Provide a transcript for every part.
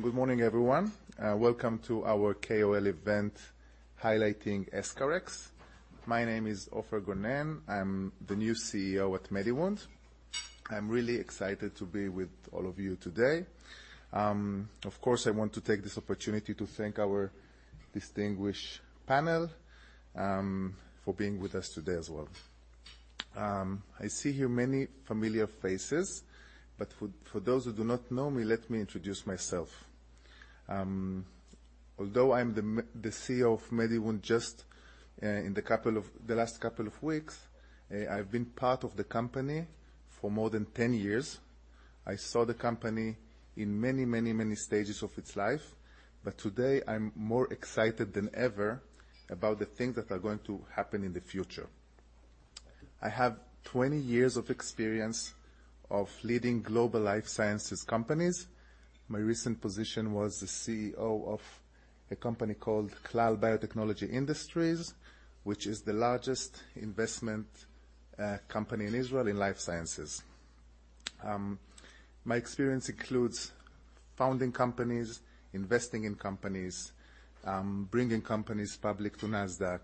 Good morning, everyone. Welcome to our KOL event highlighting EscharEx. My name is Ofer Gonen. I'm the new CEO at MediWound. I'm really excited to be with all of you today. Of course, I want to take this opportunity to thank our distinguished panel for being with us today as well. I see here many familiar faces, but for those who do not know me, let me introduce myself. Although I'm the CEO of MediWound just in the last couple of weeks, I've been part of the company for more than 10 years. I saw the company in many stages of its life. Today, I'm more excited than ever about the things that are going to happen in the future. I have 20 years of experience of leading global life sciences companies. My recent position was the CEO of a company called Clal Biotechnology Industries, which is the largest investment company in Israel in life sciences. My experience includes founding companies, investing in companies, bringing companies public to Nasdaq,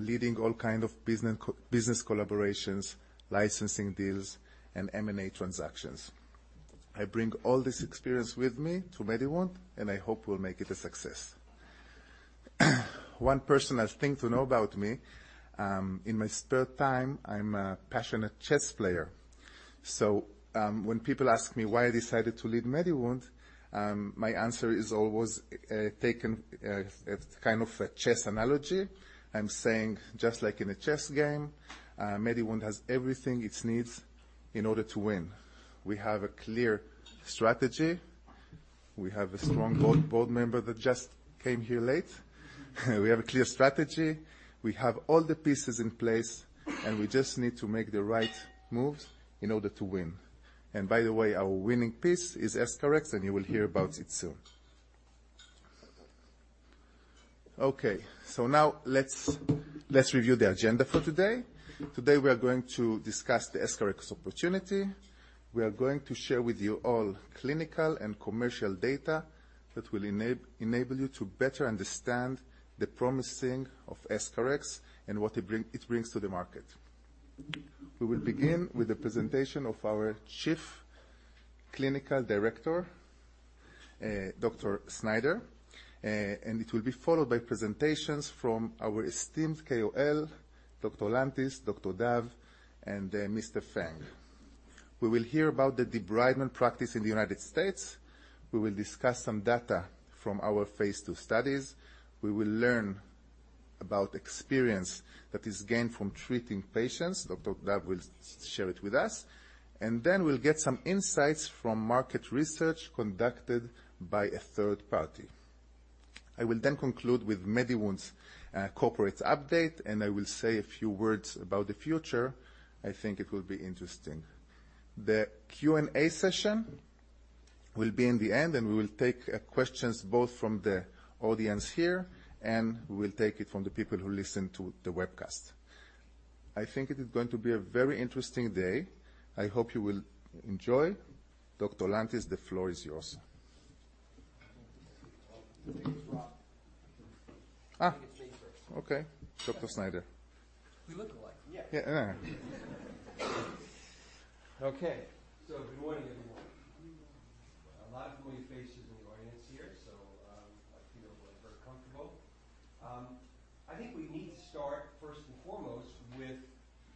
leading all kind of business collaborations, licensing deals, and M&A transactions. I bring all this experience with me to MediWound, and I hope will make it a success. One personal thing to know about me, in my spare time, I'm a passionate chess player. When people ask me why I decided to lead MediWound, my answer is always, it's kind of a chess analogy. I'm saying just like in a chess game, MediWound has everything it needs in order to win. We have a clear strategy. We have a strong board member that just came here late. We have a clear strategy. We have all the pieces in place, and we just need to make the right moves in order to win. By the way, our winning piece is EscharEx, and you will hear about it soon. Okay. Now let's review the agenda for today. Today, we are going to discuss the EscharEx opportunity. We are going to share with you all clinical and commercial data that will enable you to better understand the promise of EscharEx and what it brings to the market. We will begin with a presentation of our chief clinical director, Dr. Snyder. It will be followed by presentations from our esteemed KOL, Dr. Lantis, Dr. Dove, and Mr. Feng. We will hear about the debridement practice in the United States. We will discuss some data from our phase II studies. We will learn about experience that is gained from treating patients. Dr. Dove will share it with us. Then we'll get some insights from market research conducted by a third party. I will then conclude with MediWound's corporate update, and I will say a few words about the future. I think it will be interesting. The Q&A session will be in the end, and we will take questions both from the audience here, and we will take it from the people who listen to the webcast. I think it is going to be a very interesting day. I hope you will enjoy. Dr. Lantis, the floor is yours. Okay. Dr. Snyder. We look alike. Yeah. Yeah. Okay. Good morning, everyone. A lot of familiar faces in the audience here, so, I feel very comfortable. I think we need to start first and foremost with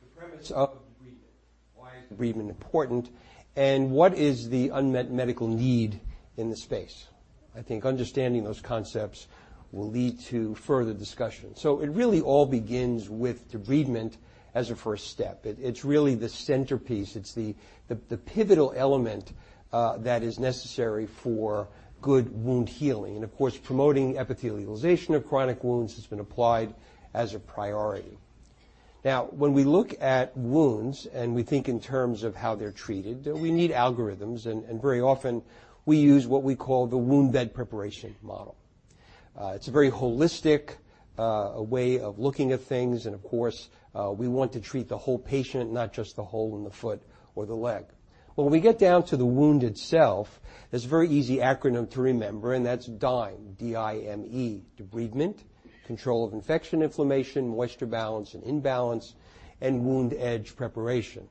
the premise of debridement. Why is debridement important, and what is the unmet medical need in this space? I think understanding those concepts will lead to further discussion. It really all begins with debridement as a first step. It's really the centerpiece. It's the pivotal element that is necessary for good wound healing. Of course, promoting epithelialization of chronic wounds has been applied as a priority. Now, when we look at wounds, and we think in terms of how they're treated, we need algorithms. Very often, we use what we call the wound bed preparation model. It's a very holistic way of looking at things and of course we want to treat the whole patient, not just the hole in the foot or the leg. When we get down to the wound itself, there's a very easy acronym to remember, and that's DIME, D-I-M-E, debridement, control of infection/inflammation, moisture balance and imbalance, and wound edge preparation.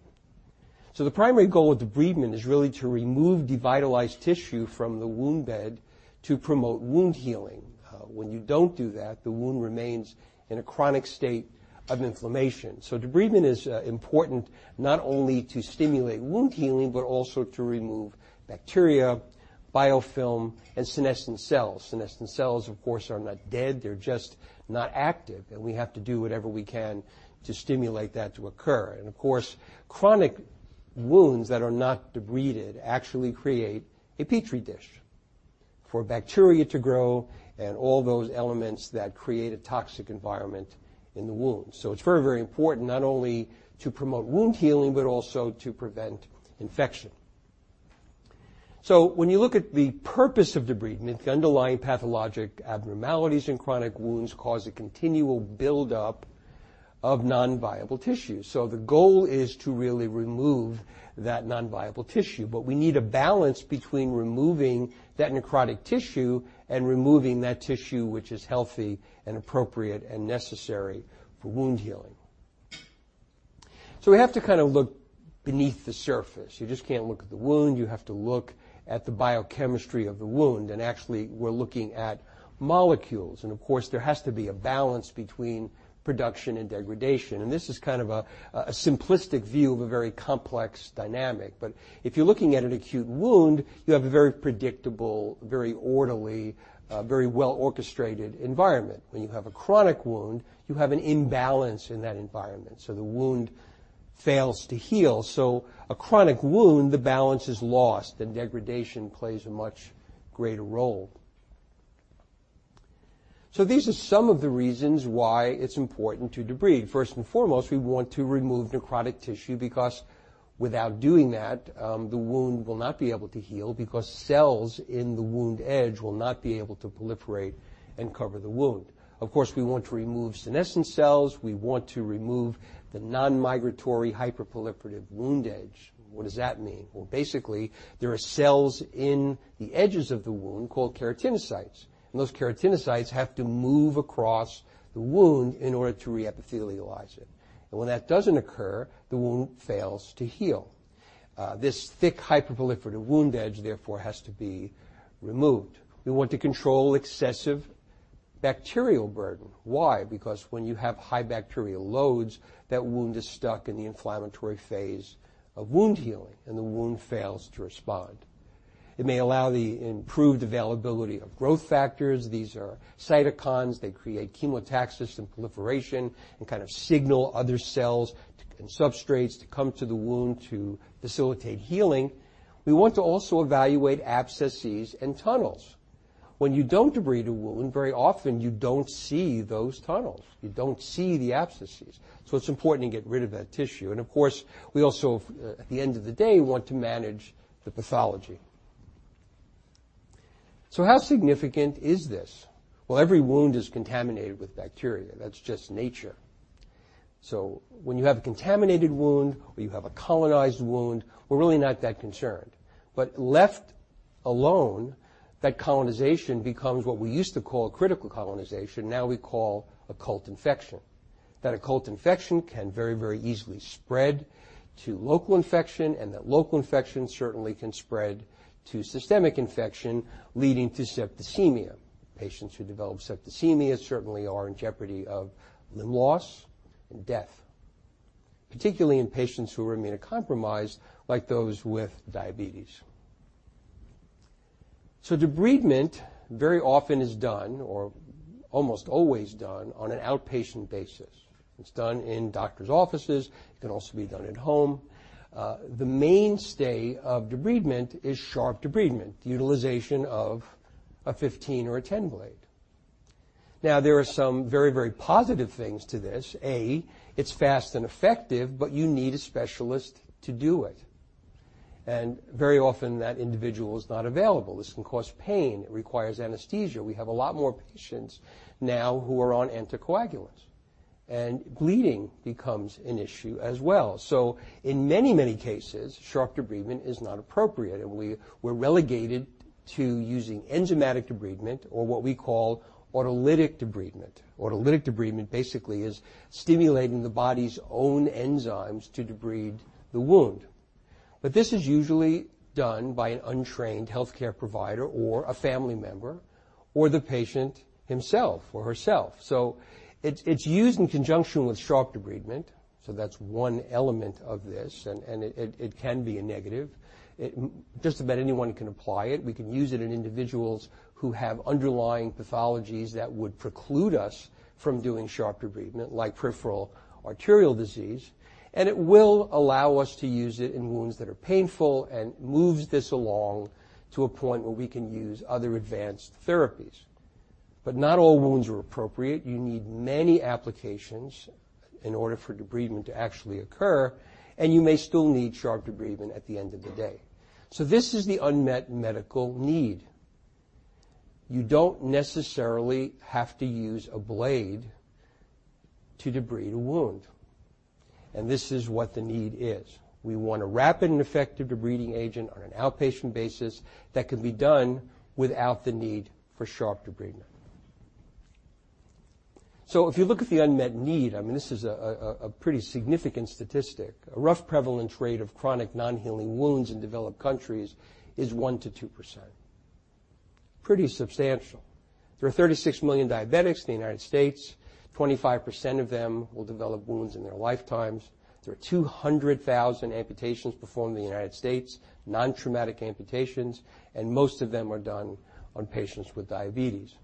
The primary goal of debridement is really to remove devitalized tissue from the wound bed to promote wound healing. When you don't do that, the wound remains in a chronic state of inflammation. Debridement is important not only to stimulate wound healing, but also to remove bacteria, biofilm, and senescent cells. Senescent cells, of course, are not dead. They're just not active, and we have to do whatever we can to stimulate that to occur. Of course, chronic wounds that are not debrided actually create a Petri dish for bacteria to grow and all those elements that create a toxic environment in the wound. It's very, very important not only to promote wound healing, but also to prevent infection. When you look at the purpose of debridement, the underlying pathologic abnormalities in chronic wounds cause a continual build-up of non-viable tissue. The goal is to really remove that non-viable tissue. We need a balance between removing that necrotic tissue and removing that tissue which is healthy and appropriate and necessary for wound healing. We have to kind of look beneath the surface. You just can't look at the wound. You have to look at the biochemistry of the wound, and actually, we're looking at molecules. Of course, there has to be a balance between production and degradation. This is kind of a simplistic view of a very complex dynamic. If you're looking at an acute wound, you have a very predictable, very orderly, very well-orchestrated environment. When you have a chronic wound, you have an imbalance in that environment, so the wound fails to heal. A chronic wound, the balance is lost, and degradation plays a much greater role. These are some of the reasons why it's important to debride. First and foremost, we want to remove necrotic tissue because without doing that, the wound will not be able to heal because cells in the wound edge will not be able to proliferate and cover the wound. Of course, we want to remove senescent cells. We want to remove the non-migratory hyperproliferative wound edge. What does that mean? Well, basically, there are cells in the edges of the wound called keratinocytes, and those keratinocytes have to move across the wound in order to re-epithelialize it. When that doesn't occur, the wound fails to heal. This thick, hyperproliferative wound edge, therefore, has to be removed. We want to control excessive bacterial burden. Why? Because when you have high bacterial loads, that wound is stuck in the inflammatory phase of wound healing, and the wound fails to respond. It may allow the improved availability of growth factors. These are cytokines. They create chemotaxis and proliferation and kind of signal other cells and substrates to come to the wound to facilitate healing. We want to also evaluate abscesses and tunnels. When you don't debride a wound, very often you don't see those tunnels. You don't see the abscesses, so it's important to get rid of that tissue. Of course, we also, at the end of the day, want to manage the pathology. How significant is this? Well, every wound is contaminated with bacteria. That's just nature. When you have a contaminated wound or you have a colonized wound, we're really not that concerned. Left alone, that colonization becomes what we used to call critical colonization; now, we call occult infection. That occult infection can very, very easily spread to local infection, and that local infection certainly can spread to systemic infection, leading to septicemia. Patients who develop septicemia certainly are in jeopardy of limb loss and death, particularly in patients who are immunocompromised, like those with diabetes. Debridement very often is done or almost always done on an outpatient basis. It's done in doctor's offices. It can also be done at home. The mainstay of debridement is sharp debridement, the utilization of a 15 or a 10 blade. Now, there are some very, very positive things to this. A, it's fast and effective, but you need a specialist to do it, and very often that individual is not available. This can cause pain. It requires anesthesia. We have a lot more patients now who are on anticoagulants, and bleeding becomes an issue as well. In many, many cases, sharp debridement is not appropriate, and we're relegated to using enzymatic debridement or what we call autolytic debridement. Autolytic debridement basically is stimulating the body's own enzymes to debride the wound. This is usually done by an untrained healthcare provider or a family member or the patient himself or herself. It's used in conjunction with sharp debridement, that's one element of this, and it can be a negative. It just about anyone can apply it. We can use it in individuals who have underlying pathologies that would preclude us from doing sharp debridement, like peripheral arterial disease, and it will allow us to use it in wounds that are painful and moves this along to a point where we can use other advanced therapies. Not all wounds are appropriate. You need many applications in order for debridement to actually occur, and you may still need sharp debridement at the end of the day. This is the unmet medical need. You don't necessarily have to use a blade to debride a wound, and this is what the need is. We want a rapid and effective debriding agent on an outpatient basis that can be done without the need for sharp debridement. If you look at the unmet need, I mean, this is a pretty significant statistic. A rough prevalence rate of chronic non-healing wounds in developed countries is 1%-2%. Pretty substantial. There are 36 million diabetics in the United States. 25% of them will develop wounds in their lifetimes. There are 200,000 amputations performed in the United States, non-traumatic amputations, and most of them are done on patients with diabetes.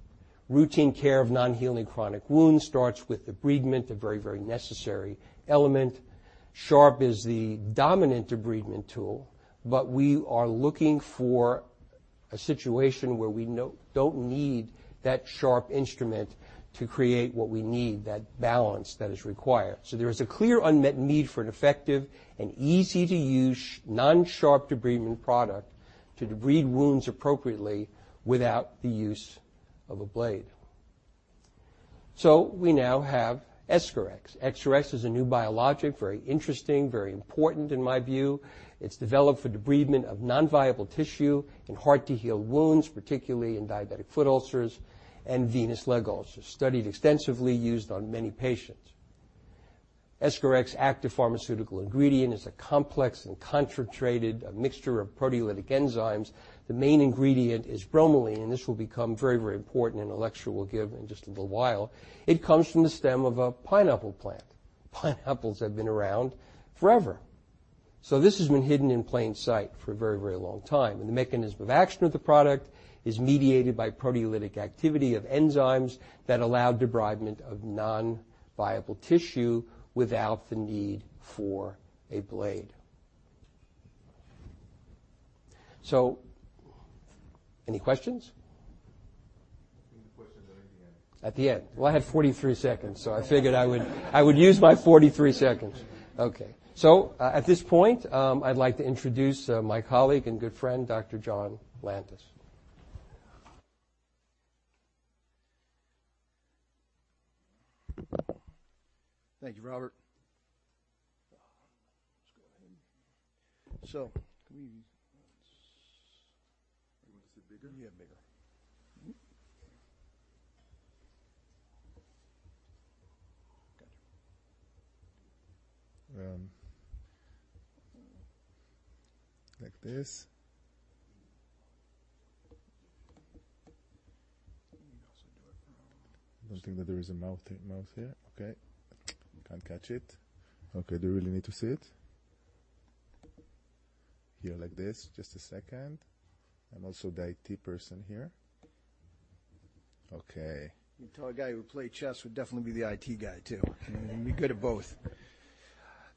Routine care of non-healing chronic wounds starts with debridement, a very, very necessary element. Sharp is the dominant debridement tool, but we are looking for a situation where we don't need that sharp instrument to create what we need, that balance that is required. There is a clear unmet need for an effective and easy-to-use non-sharp debridement product to debride wounds appropriately without the use of a blade. We now have EscharEx. EscharEx is a new biologic, very interesting, very important in my view. It's developed for debridement of non-viable tissue in hard to heal wounds, particularly in diabetic foot ulcers and venous leg ulcers. Studied extensively, used on many patients. EscharEx active pharmaceutical ingredient is a complex and concentrated mixture of proteolytic enzymes. The main ingredient is bromelain, and this will become very, very important in a lecture we'll give in just a little while. It comes from the stem of a pineapple plant. Pineapples have been around forever. This has been hidden in plain sight for a very, very long time, and the mechanism of action of the product is mediated by proteolytic activity of enzymes that allow debridement of non-viable tissue without the need for a blade. Any questions? At the end. At the end. Well, I had 43 seconds, so I figured I would use my 43 seconds. Okay. At this point, I'd like to introduce my colleague and good friend, Dr. John Lantis. Thank you, Robert. You want to see it bigger? Yeah, bigger. Like this? You can also do it now. I don't think that there is a mouse here. Okay. Can't catch it. Okay, do we really need to see it? Here like this. Just a second. I'm also the IT person here. Okay. You can tell a guy who played chess would definitely be the IT guy, too. Be good at both.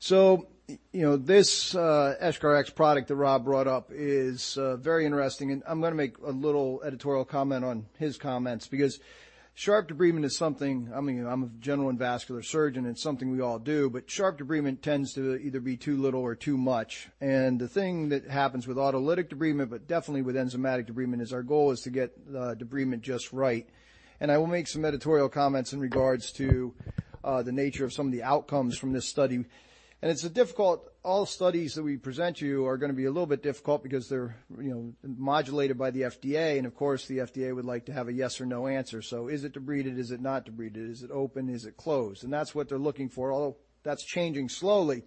You know, this EscharEx product that Rob brought up is very interesting, and I'm gonna make a little editorial comment on his comments because sharp debridement is something. I mean, I'm a general and vascular surgeon. It's something we all do, but sharp debridement tends to either be too little or too much. The thing that happens with autolytic debridement, but definitely with enzymatic debridement, is our goal is to get the debridement just right. I will make some editorial comments in regards to the nature of some of the outcomes from this study. All studies that we present to you are gonna be a little bit difficult because they're, you know, modulated by the FDA, and of course, the FDA would like to have a yes or no answer. Is it debrided? Is it not debrided? Is it open? Is it closed? That's what they're looking for, although that's changing slowly.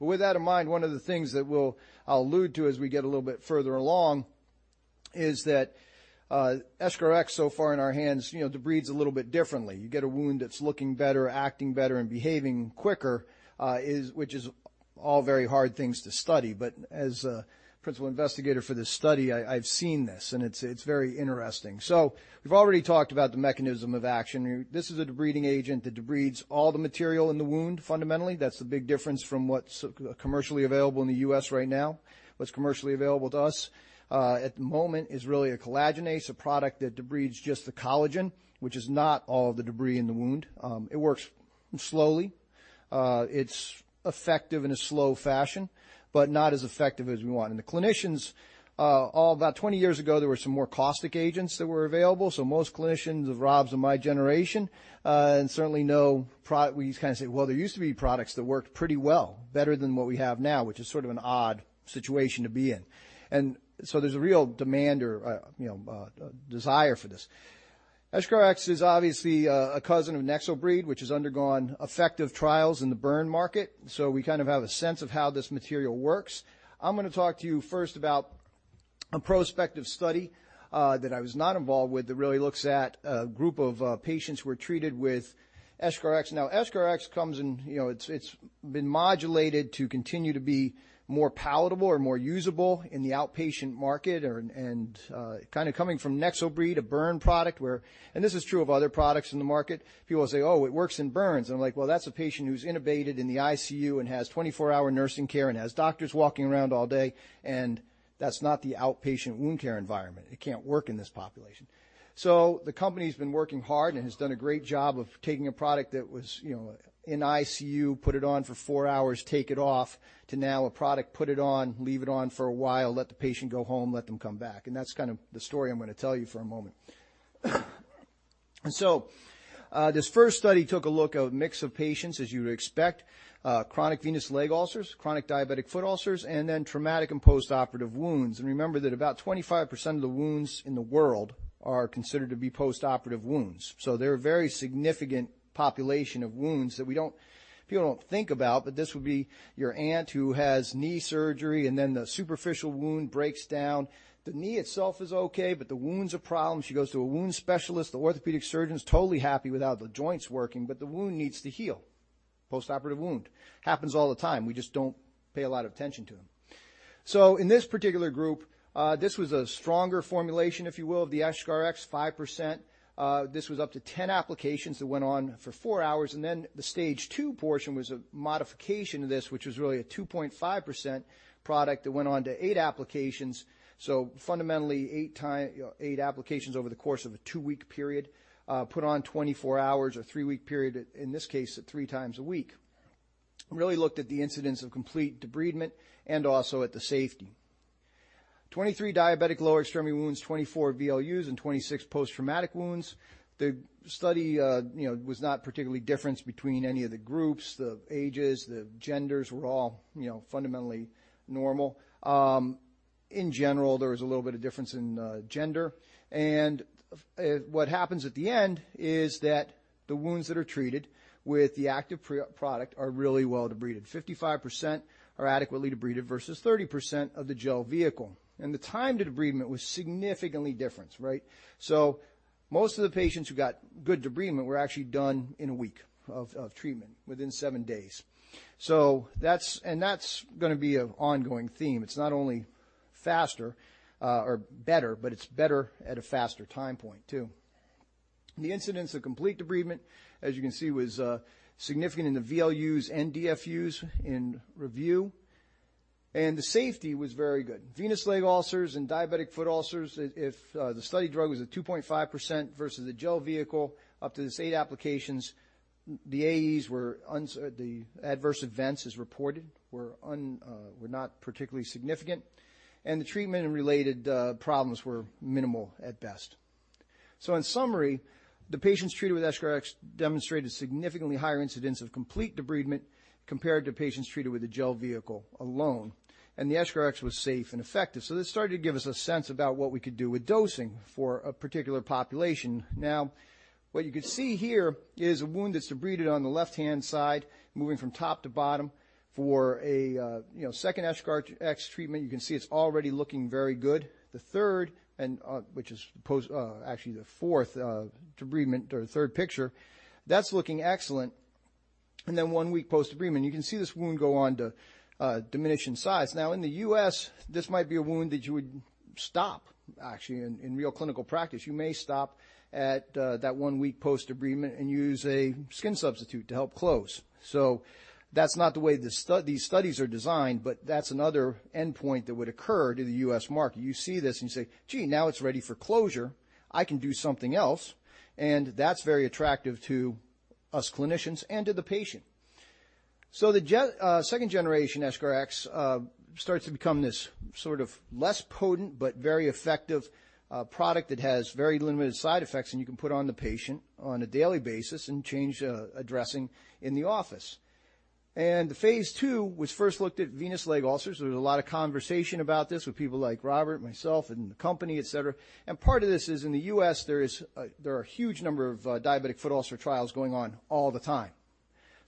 With that in mind, one of the things that I'll allude to as we get a little bit further along is that, EscharEx so far in our hands, you know, debrides a little bit differently. You get a wound that's looking better, acting better, and behaving quicker, which is all very hard things to study. As a principal investigator for this study, I've seen this, and it's very interesting. We've already talked about the mechanism of action. This is a debriding agent that debrides all the material in the wound, fundamentally. That's the big difference from what's commercially available in the U.S. right now. What's commercially available to us at the moment is really a collagenase, a product that debrides just the collagen, which is not all of the debris in the wound. It works slowly. It's effective in a slow fashion, but not as effective as we want. The clinicians about 20 years ago, there were some more caustic agents that were available. Most clinicians of Rob's and my generation, and certainly we kind of say, well, there used to be products that worked pretty well, better than what we have now, which is sort of an odd situation to be in. There's a real demand or, you know, a desire for this. EscharEx is obviously a cousin of NexoBrid, which has undergone effective trials in the burn market. We kind of have a sense of how this material works. I'm gonna talk to you first about a prospective study that I was not involved with that really looks at a group of patients who were treated with EscharEx. Now, EscharEx comes in, you know, it's been modulated to continue to be more palatable or more usable in the outpatient market and kinda coming from NexoBrid, a burn product where, and this is true of other products in the market. People say, "Oh, it works in burns." I'm like, "Well, that's a patient who's intubated in the ICU and has 24-hour nursing care and has doctors walking around all day, and that's not the outpatient wound care environment. It can't work in this population." The company's been working hard and has done a great job of taking a product that was, you know, in ICU, put it on for four hours, take it off, to now a product, put it on, leave it on for a while, let the patient go home, let them come back. That's kind of the story I'm gonna tell you for a moment. This first study took a look, a mix of patients, as you would expect, chronic venous leg ulcers, chronic diabetic foot ulcers, and then traumatic and postoperative wounds. Remember that about 25% of the wounds in the world are considered to be postoperative wounds. They're a very significant population of wounds that people don't think about, but this would be your aunt who has knee surgery, and then the superficial wound breaks down. The knee itself is okay, but the wound's a problem. She goes to a wound specialist. The orthopedic surgeon's totally happy with how the joint's working, but the wound needs to heal. Postoperative wound. Happens all the time. We just don't pay a lot of attention to them. In this particular group, this was a stronger formulation, if you will, of the EscharEx, 5%. This was up to 10 applications that went on for four hours, and then the stage two portion was a modification to this, which was really a 2.5% product that went on to eight applications. Fundamentally, eight applications over the course of a 2-week period, put on 24 hours, a 3-week period, in this case, at 3x a week, really looked at the incidence of complete debridement and also at the safety. 23 diabetic lower extremity wounds, 24 VLUs, and 26 post-traumatic wounds. The study, you know, was not particularly different between any of the groups. The ages, the genders were all, you know, fundamentally normal. In general, there was a little bit of difference in gender. What happens at the end is that the wounds that are treated with the active product are really well debrided. 55% are adequately debrided versus 30% of the gel vehicle. The time to debridement was significantly different. Most of the patients who got good debridement were actually done in a week of treatment, within seven days. That's gonna be an ongoing theme. It's not only faster or better, but it's better at a faster time point, too. The incidence of complete debridement, as you can see, was significant in the VLUs and DFUs in review, and the safety was very good. Venous leg ulcers and diabetic foot ulcers, if the study drug was at 2.5% versus the gel vehicle up to eight applications, the AEs, the adverse events as reported, were not particularly significant, and the treatment and related problems were minimal at best. In summary, the patients treated with EscharEx demonstrated significantly higher incidence of complete debridement compared to patients treated with a gel vehicle alone, and the EscharEx was safe and effective. This started to give us a sense about what we could do with dosing for a particular population. Now, what you can see here is a wound that's debrided on the left-hand side, moving from top to bottom. For a second EscharEx treatment, you can see it's already looking very good. The third, which is post actually the fourth debridement or third picture, that's looking excellent. Then one week post-debridement, you can see this wound go on to diminish in size. Now, in the U.S., this might be a wound that you would stop actually in real clinical practice. You may stop at that one week post-debridement and use a skin substitute to help close. That's not the way these studies are designed, but that's another endpoint that would occur to the U.S. market. You see this, and you say, "Gee, now it's ready for closure. I can do something else." That's very attractive to us clinicians and to the patient. Second-generation EscharEx starts to become this sort of less potent but very effective product that has very limited side effects, and you can put on the patient on a daily basis and change a dressing in the office. The phase II, which first looked at venous leg ulcers. There was a lot of conversation about this with people like Robert, myself, and the company, et cetera. Part of this is in the US, there are a huge number of diabetic foot ulcer trials going on all the time.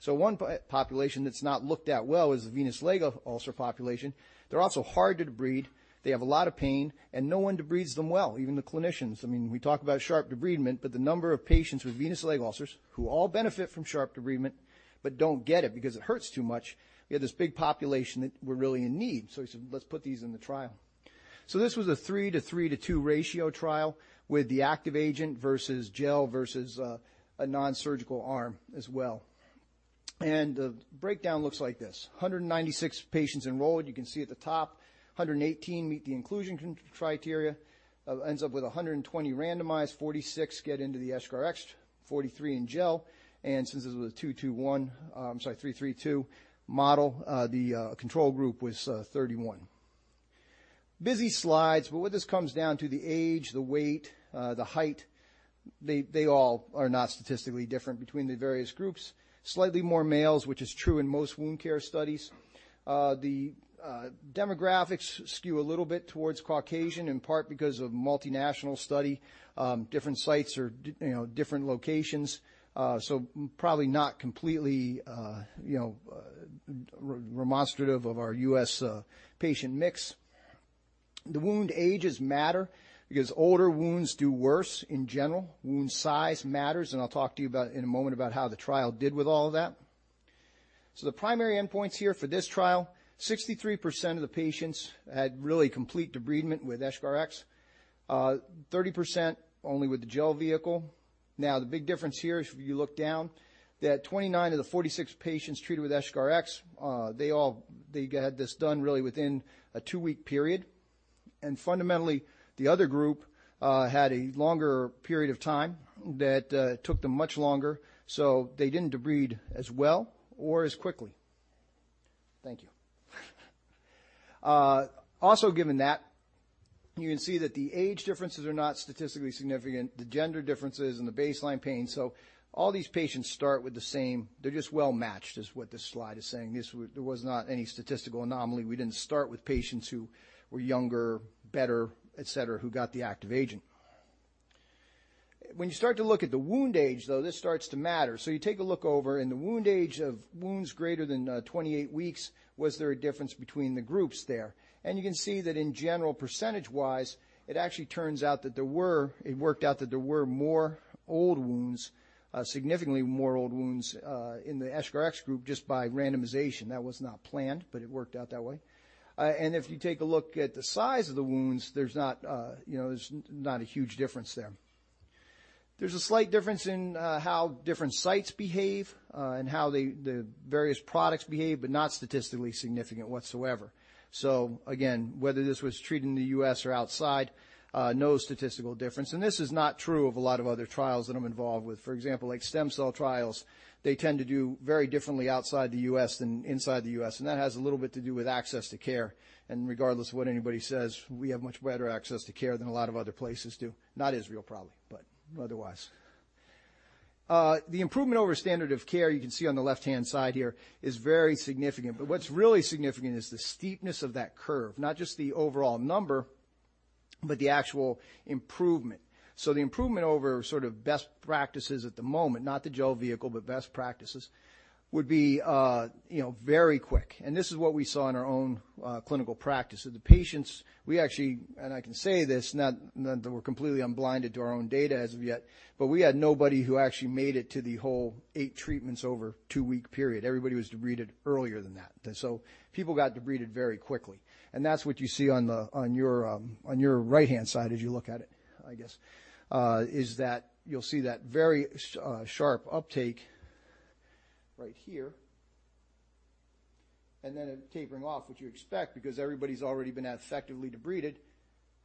One population that's not looked at well is the venous leg ulcer population. They're also hard to debride, they have a lot of pain, and no one debrides them well, even the clinicians. I mean, we talk about sharp debridement, but the number of patients with venous leg ulcers who all benefit from sharp debridement but don't get it because it hurts too much, we have this big population that we're really in need. We said, "Let's put these in the trial." This was a three to three to two ratio trial with the active agent versus gel versus a nonsurgical arm as well. The breakdown looks like this. 196 patients enrolled. You can see at the top, 118 meet the inclusion criteria. It ends up with 120 randomized, 46 get into the EscharEx, 43 in gel. Since this was 221, a 332 model, the control group was 31. Busy slides, but what this comes down to the age, the weight, the height, they all are not statistically different between the various groups. Slightly more males, which is true in most wound care studies. The demographics skew a little bit towards Caucasian, in part because of multinational study, different sites or different locations, so probably not completely representative of our U.S. patient mix. The wound ages matter because older wounds do worse in general. Wound size matters, and I'll talk to you in a moment about how the trial did with all of that. The primary endpoints here for this trial, 63% of the patients had really complete debridement with EscharEx, 30% only with the gel vehicle. Now, the big difference here, if you look down, that 29 of the 46 patients treated with EscharEx, they got this done really within a two-week period. Fundamentally, the other group had a longer period of time that took them much longer, so they didn't debride as well or as quickly. Thank you. Also given that, you can see that the age differences are not statistically significant, the gender differences and the baseline pain. All these patients start with the same. They're just well-matched, is what this slide is saying. There was not any statistical anomaly. We didn't start with patients who were younger, better, et cetera, who got the active agent. When you start to look at the wound age, though, this starts to matter. You take a look over in the wound age of wounds greater than 28 weeks. Was there a difference between the groups there? You can see that in general, percentage-wise, it actually turns out that there were more old wounds, significantly more old wounds, in the EscharEx group just by randomization. That was not planned, but it worked out that way. If you take a look at the size of the wounds, there's not, you know, there's not a huge difference there. There's a slight difference in how different sites behave and how the various products behave, but not statistically significant whatsoever. Again, whether this was treated in the U.S. or outside, no statistical difference, and this is not true of a lot of other trials that I'm involved with. For example, like stem cell trials, they tend to do very differently outside the U.S. than inside the U.S., and that has a little bit to do with access to care. Regardless of what anybody says, we have much better access to care than a lot of other places do. Not Israel, probably, but otherwise. The improvement over standard of care, you can see on the left-hand side here, is very significant. What's really significant is the steepness of that curve, not just the overall number, but the actual improvement. The improvement over sort of best practices at the moment, not the gel vehicle, but best practices, would be, you know, very quick. This is what we saw in our own clinical practice. The patients, we actually, and I can say this, not that we're completely unblinded to our own data as of yet, but we had nobody who actually made it to the whole eight treatments over a two-week period. Everybody was debrided earlier than that. People got debrided very quickly, and that's what you see on your right-hand side as you look at it, I guess. Is that you'll see that very sharp uptake right here, and then it tapering off, which you expect because everybody's already been effectively debrided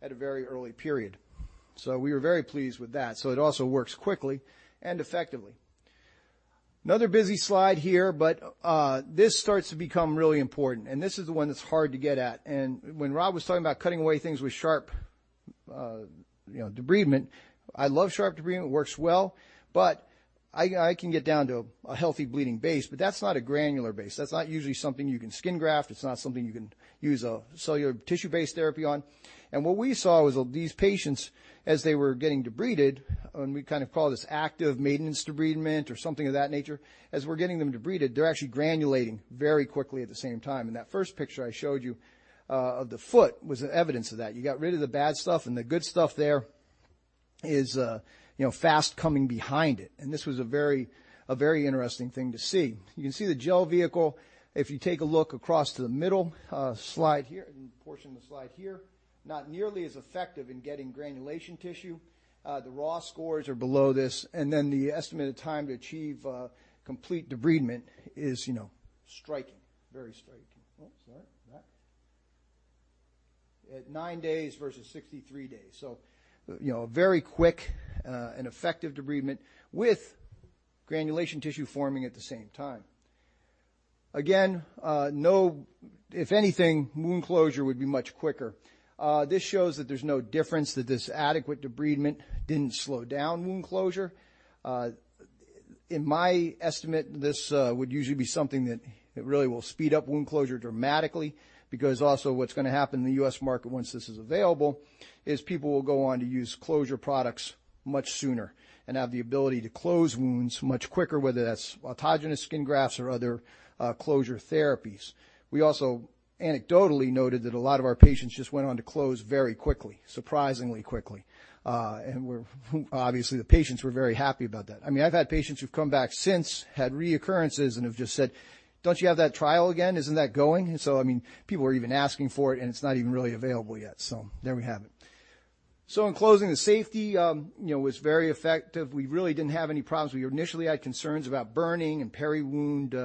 at a very early period. We were very pleased with that. It also works quickly and effectively. Another busy slide here, but this starts to become really important, and this is the one that's hard to get at. When Rob was talking about cutting away things with sharp, you know, debridement, I love sharp debridement. It works well, but I can get down to a healthy bleeding base, but that's not a granulating base. That's not usually something you can skin graft. It's not something you can use a cellular tissue-based therapy on. What we saw was these patients, as they were getting debrided, and we kind of call this active maintenance debridement or something of that nature, as we're getting them debrided, they're actually granulating very quickly at the same time. That first picture I showed you of the foot was evidence of that. You got rid of the bad stuff, and the good stuff there is, you know, fast coming behind it. This was a very interesting thing to see. You can see the gel vehicle, if you take a look across to the middle slide here and portion of the slide here, not nearly as effective in getting granulation tissue. The raw scores are below this, and then the estimated time to achieve complete debridement is, you know, striking, very striking. At nine days versus 63 days. You know, a very quick and effective debridement with granulation tissue forming at the same time. Again, no—if anything, wound closure would be much quicker. This shows that there's no difference, that this adequate debridement didn't slow down wound closure. In my estimate, this would usually be something that really will speed up wound closure dramatically because also what's gonna happen in the U.S. market once this is available is people will go on to use closure products much sooner and have the ability to close wounds much quicker, whether that's autogenous skin grafts or other closure therapies. We also anecdotally noted that a lot of our patients just went on to close very quickly, surprisingly quickly. Obviously, the patients were very happy about that. I mean, I've had patients who've come back since, had reoccurrences, and have just said, "Don't you have that trial again? Isn't that going?" I mean, people are even asking for it, and it's not even really available yet. There we have it. In closing, the safety, you know, was very effective. We really didn't have any problems. We initially had concerns about burning and peri-wound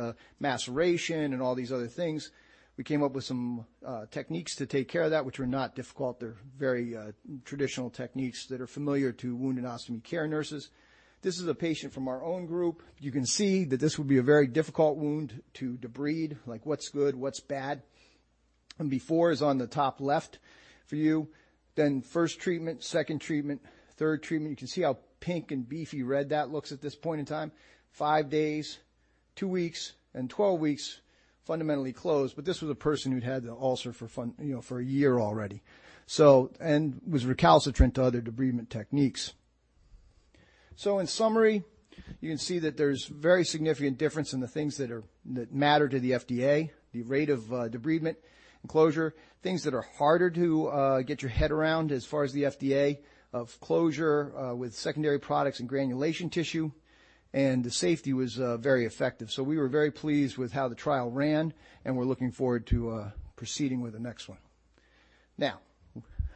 maceration and all these other things. We came up with some techniques to take care of that, which were not difficult. They're very traditional techniques that are familiar to wound and ostomy care nurses. This is a patient from our own group. You can see that this would be a very difficult wound to debride, like what's good, what's bad. Before is on the top left for you, then first treatment, second treatment, third treatment. You can see how pink and beefy red that looks at this point in time. Five days, two weeks, and 12 weeks, fundamentally closed. This was a person who'd had the ulcer for you know, for a year already. Was recalcitrant to other debridement techniques. In summary, you can see that there's very significant difference in the things that matter to the FDA, the rate of debridement and closure, things that are harder to get your head around as far as the FDA view of closure, with secondary products and granulation tissue, and the safety was very effective. We were very pleased with how the trial ran, and we're looking forward to proceeding with the next one. Now,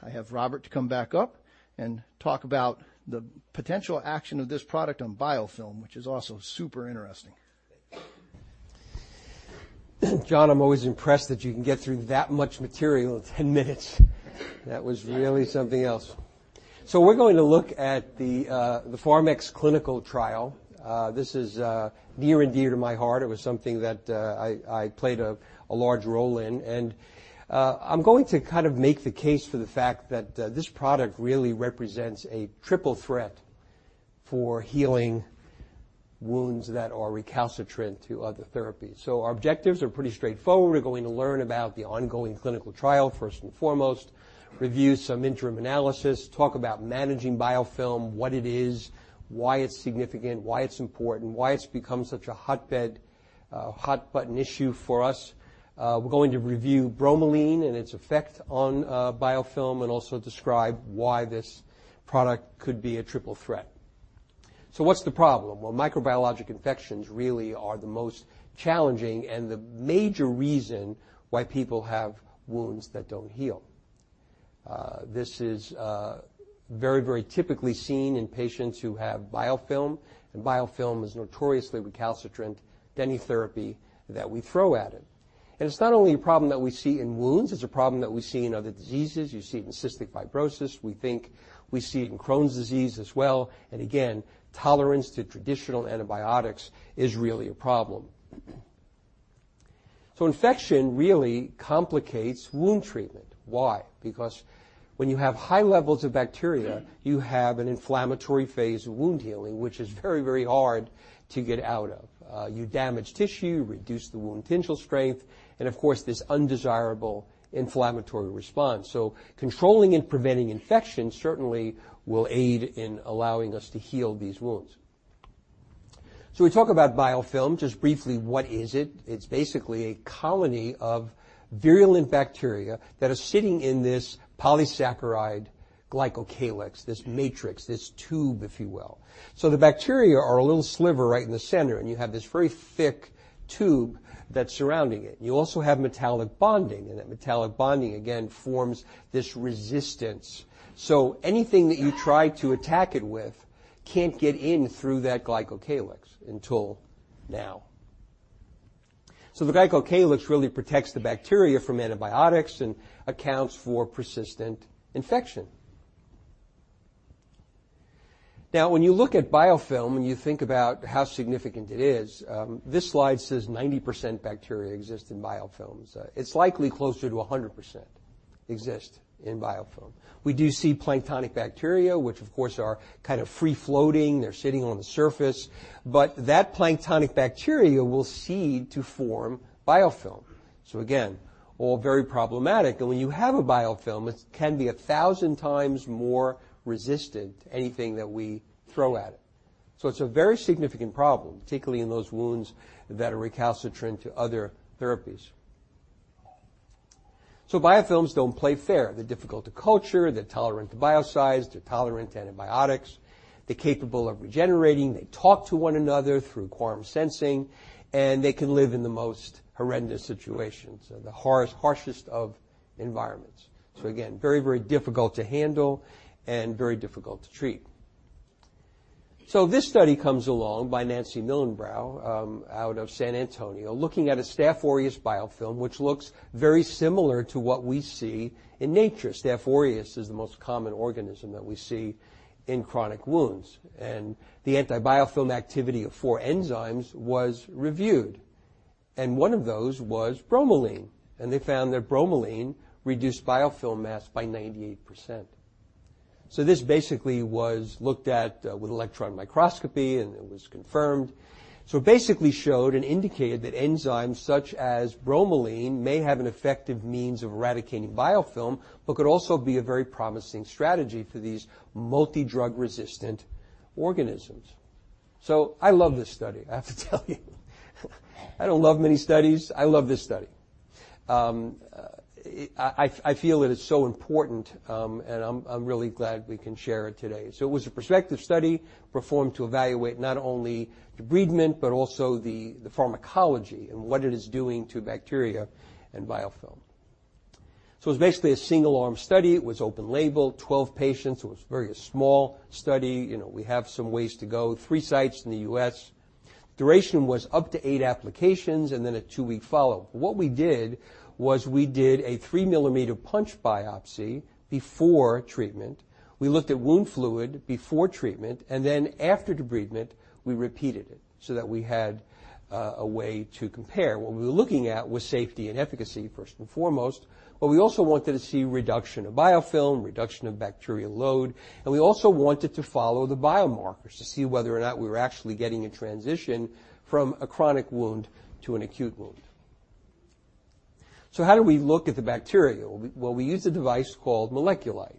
I have Robert to come back up and talk about the potential action of this product on biofilm, which is also super interesting. John, I'm always impressed that you can get through that much material in 10 minutes. That was really something else. We're going to look at the ChronEx clinical trial. This is near and dear to my heart. It was something that I played a large role in. I'm going to kind of make the case for the fact that this product really represents a triple threat for healing wounds that are recalcitrant to other therapies. Our objectives are pretty straightforward. We're going to learn about the ongoing clinical trial, first and foremost, review some interim analysis, talk about managing biofilm, what it is, why it's significant, why it's important, why it's become such a hot-button issue for us. We're going to review Bromelain and its effect on biofilm, and also describe why this product could be a triple threat. What's the problem? Well, microbiologic infections really are the most challenging and the major reason why people have wounds that don't heal. This is very, very typically seen in patients who have biofilm, and biofilm is notoriously recalcitrant to any therapy that we throw at it. It's not only a problem that we see in wounds, it's a problem that we see in other diseases. You see it in cystic fibrosis. We think we see it in Crohn's disease as well. Again, tolerance to traditional antibiotics is really a problem. Infection really complicates wound treatment. Why? Because when you have high levels of bacteria, you have an inflammatory phase of wound healing, which is very, very hard to get out of. You damage tissue, reduce the wound tensile strength, and of course, this undesirable inflammatory response. Controlling and preventing infection certainly will aid in allowing us to heal these wounds. We talk about biofilm. Just briefly, what is it? It's basically a colony of virulent bacteria that are sitting in this polysaccharide Glycocalyx, this matrix, this tube, if you will. The bacteria are a little sliver right in the center, and you have this very thick tube that's surrounding it, and you also have metallic bonding, and that metallic bonding again forms this resistance. Anything that you try to attack it with can't get in through that Glycocalyx until now. The Glycocalyx really protects the bacteria from antibiotics and accounts for persistent infection. Now, when you look at biofilm and you think about how significant it is, this slide says 90% bacteria exist in biofilms. It's likely closer to 100% exist in biofilm. We do see planktonic bacteria, which of course are kind of free-floating. They're sitting on the surface. That planktonic bacteria will seed to form biofilm. Again, all very problematic, and when you have a biofilm, it can be 1,000x more resistant to anything that we throw at it. It's a very significant problem, particularly in those wounds that are recalcitrant to other therapies. Biofilms don't play fair. They're difficult to culture. They're tolerant to biocides. They're tolerant to antibiotics. They're capable of regenerating. They talk to one another through quorum sensing, and they can live in the most horrendous situations and the harshest of environments. Again, very, very difficult to handle and very difficult to treat. This study comes along by Nancy Millenbaugh, out of San Antonio, looking at a Staphylococcus aureus biofilm, which looks very similar to what we see in nature. Staphylococcus aureus is the most common organism that we see in chronic wounds, and the anti-biofilm activity of four enzymes was reviewed, and one of those was Bromelain. They found that Bromelain reduced biofilm mass by 98%. This basically was looked at with electron microscopy, and it was confirmed. It basically showed and indicated that enzymes such as Bromelain may have an effective means of eradicating biofilm but could also be a very promising strategy for these multidrug-resistant organisms. I love this study, I have to tell you. I don't love many studies. I love this study. I feel that it's so important, and I'm really glad we can share it today. It was a prospective study performed to evaluate not only debridement but also the pharmacology and what it is doing to bacteria and biofilm. It was basically a single-arm study. It was open label, 12 patients. It was a very small study, you know, we have some ways to go. Three sites in the U.S. Duration was up to eight applications and then a 2-week follow-up. What we did was we did a 3 mm punch biopsy before treatment. We looked at wound fluid before treatment, and then after debridement, we repeated it so that we had a way to compare. What we were looking at was safety and efficacy, first and foremost, but we also wanted to see reduction of biofilm, reduction of bacterial load, and we also wanted to follow the biomarkers to see whether or not we were actually getting a transition from a chronic wound to an acute wound. How do we look at the bacteria? Well, we use a device called MolecuLight.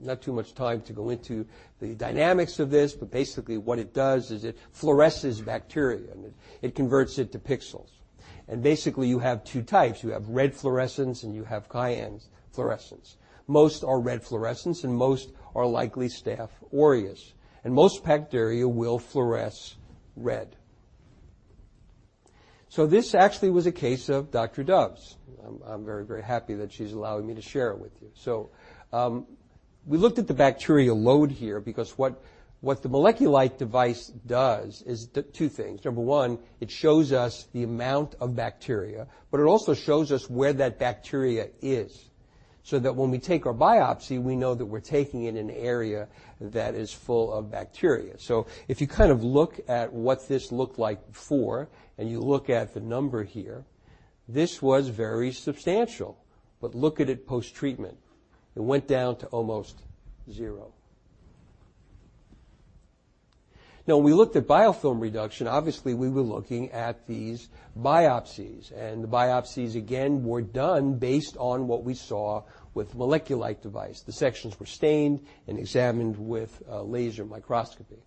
Not too much time to go into the dynamics of this, but basically what it does is it fluoresces bacteria, and it converts it to pixels. Basically, you have two types. You have red fluorescence, and you have cyan fluorescence. Most are red fluorescence, and most are likely Staphylococcus aureus, and most bacteria will fluoresce red. This actually was a case of Dr. Dove's. I'm very, very happy that she's allowing me to share it with you. We looked at the bacterial load here because what the MolecuLight device does is two things. Number one, it shows us the amount of bacteria, but it also shows us where that bacteria is, so that when we take our biopsy, we know that we're taking it in an area that is full of bacteria. If you kind of look at what this looked like before, and you look at the number here, this was very substantial. Look at it post-treatment. It went down to almost zero. Now, when we looked at biofilm reduction, obviously we were looking at these biopsies, and the biopsies again were done based on what we saw with the MolecuLight device. The sections were stained and examined with laser microscopy.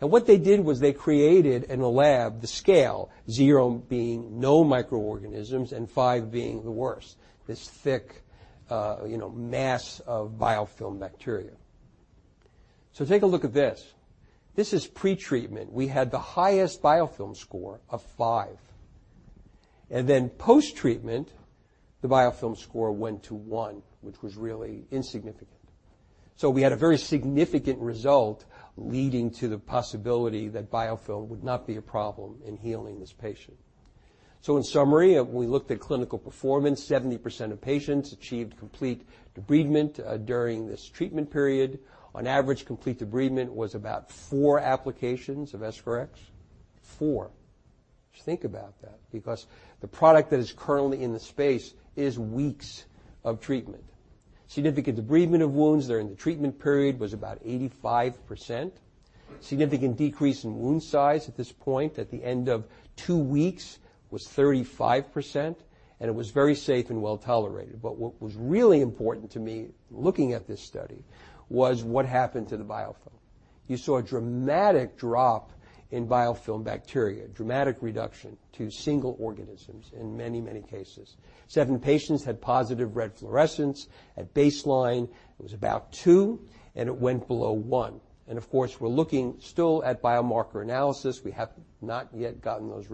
What they did was they created in a lab the scale, zero being no microorganisms and five being the worst, this thick, you know, mass of biofilm bacteria. Take a look at this. This is pretreatment. We had the highest biofilm score of five, and then post-treatment, the biofilm score went to one, which was really insignificant. We had a very significant result leading to the possibility that biofilm would not be a problem in healing this patient. In summary, we looked at clinical performance. 70% of patients achieved complete debridement during this treatment period. On average, complete debridement was about four applications of EscharEx. Just think about that because the product that is currently in the space is weeks of treatment. Significant debridement of wounds during the treatment period was about 85%. Significant decrease in wound size at this point, at the end of two weeks, was 35%, and it was very safe and well-tolerated. What was really important to me looking at this study was what happened to the biofilm. You saw a dramatic drop in biofilm bacteria, dramatic reduction to single organisms in many, many cases. Seven patients had positive red fluorescence. At baseline, it was about two, and it went below one. Of course, we're looking still at biomarker analysis. We have not yet gotten those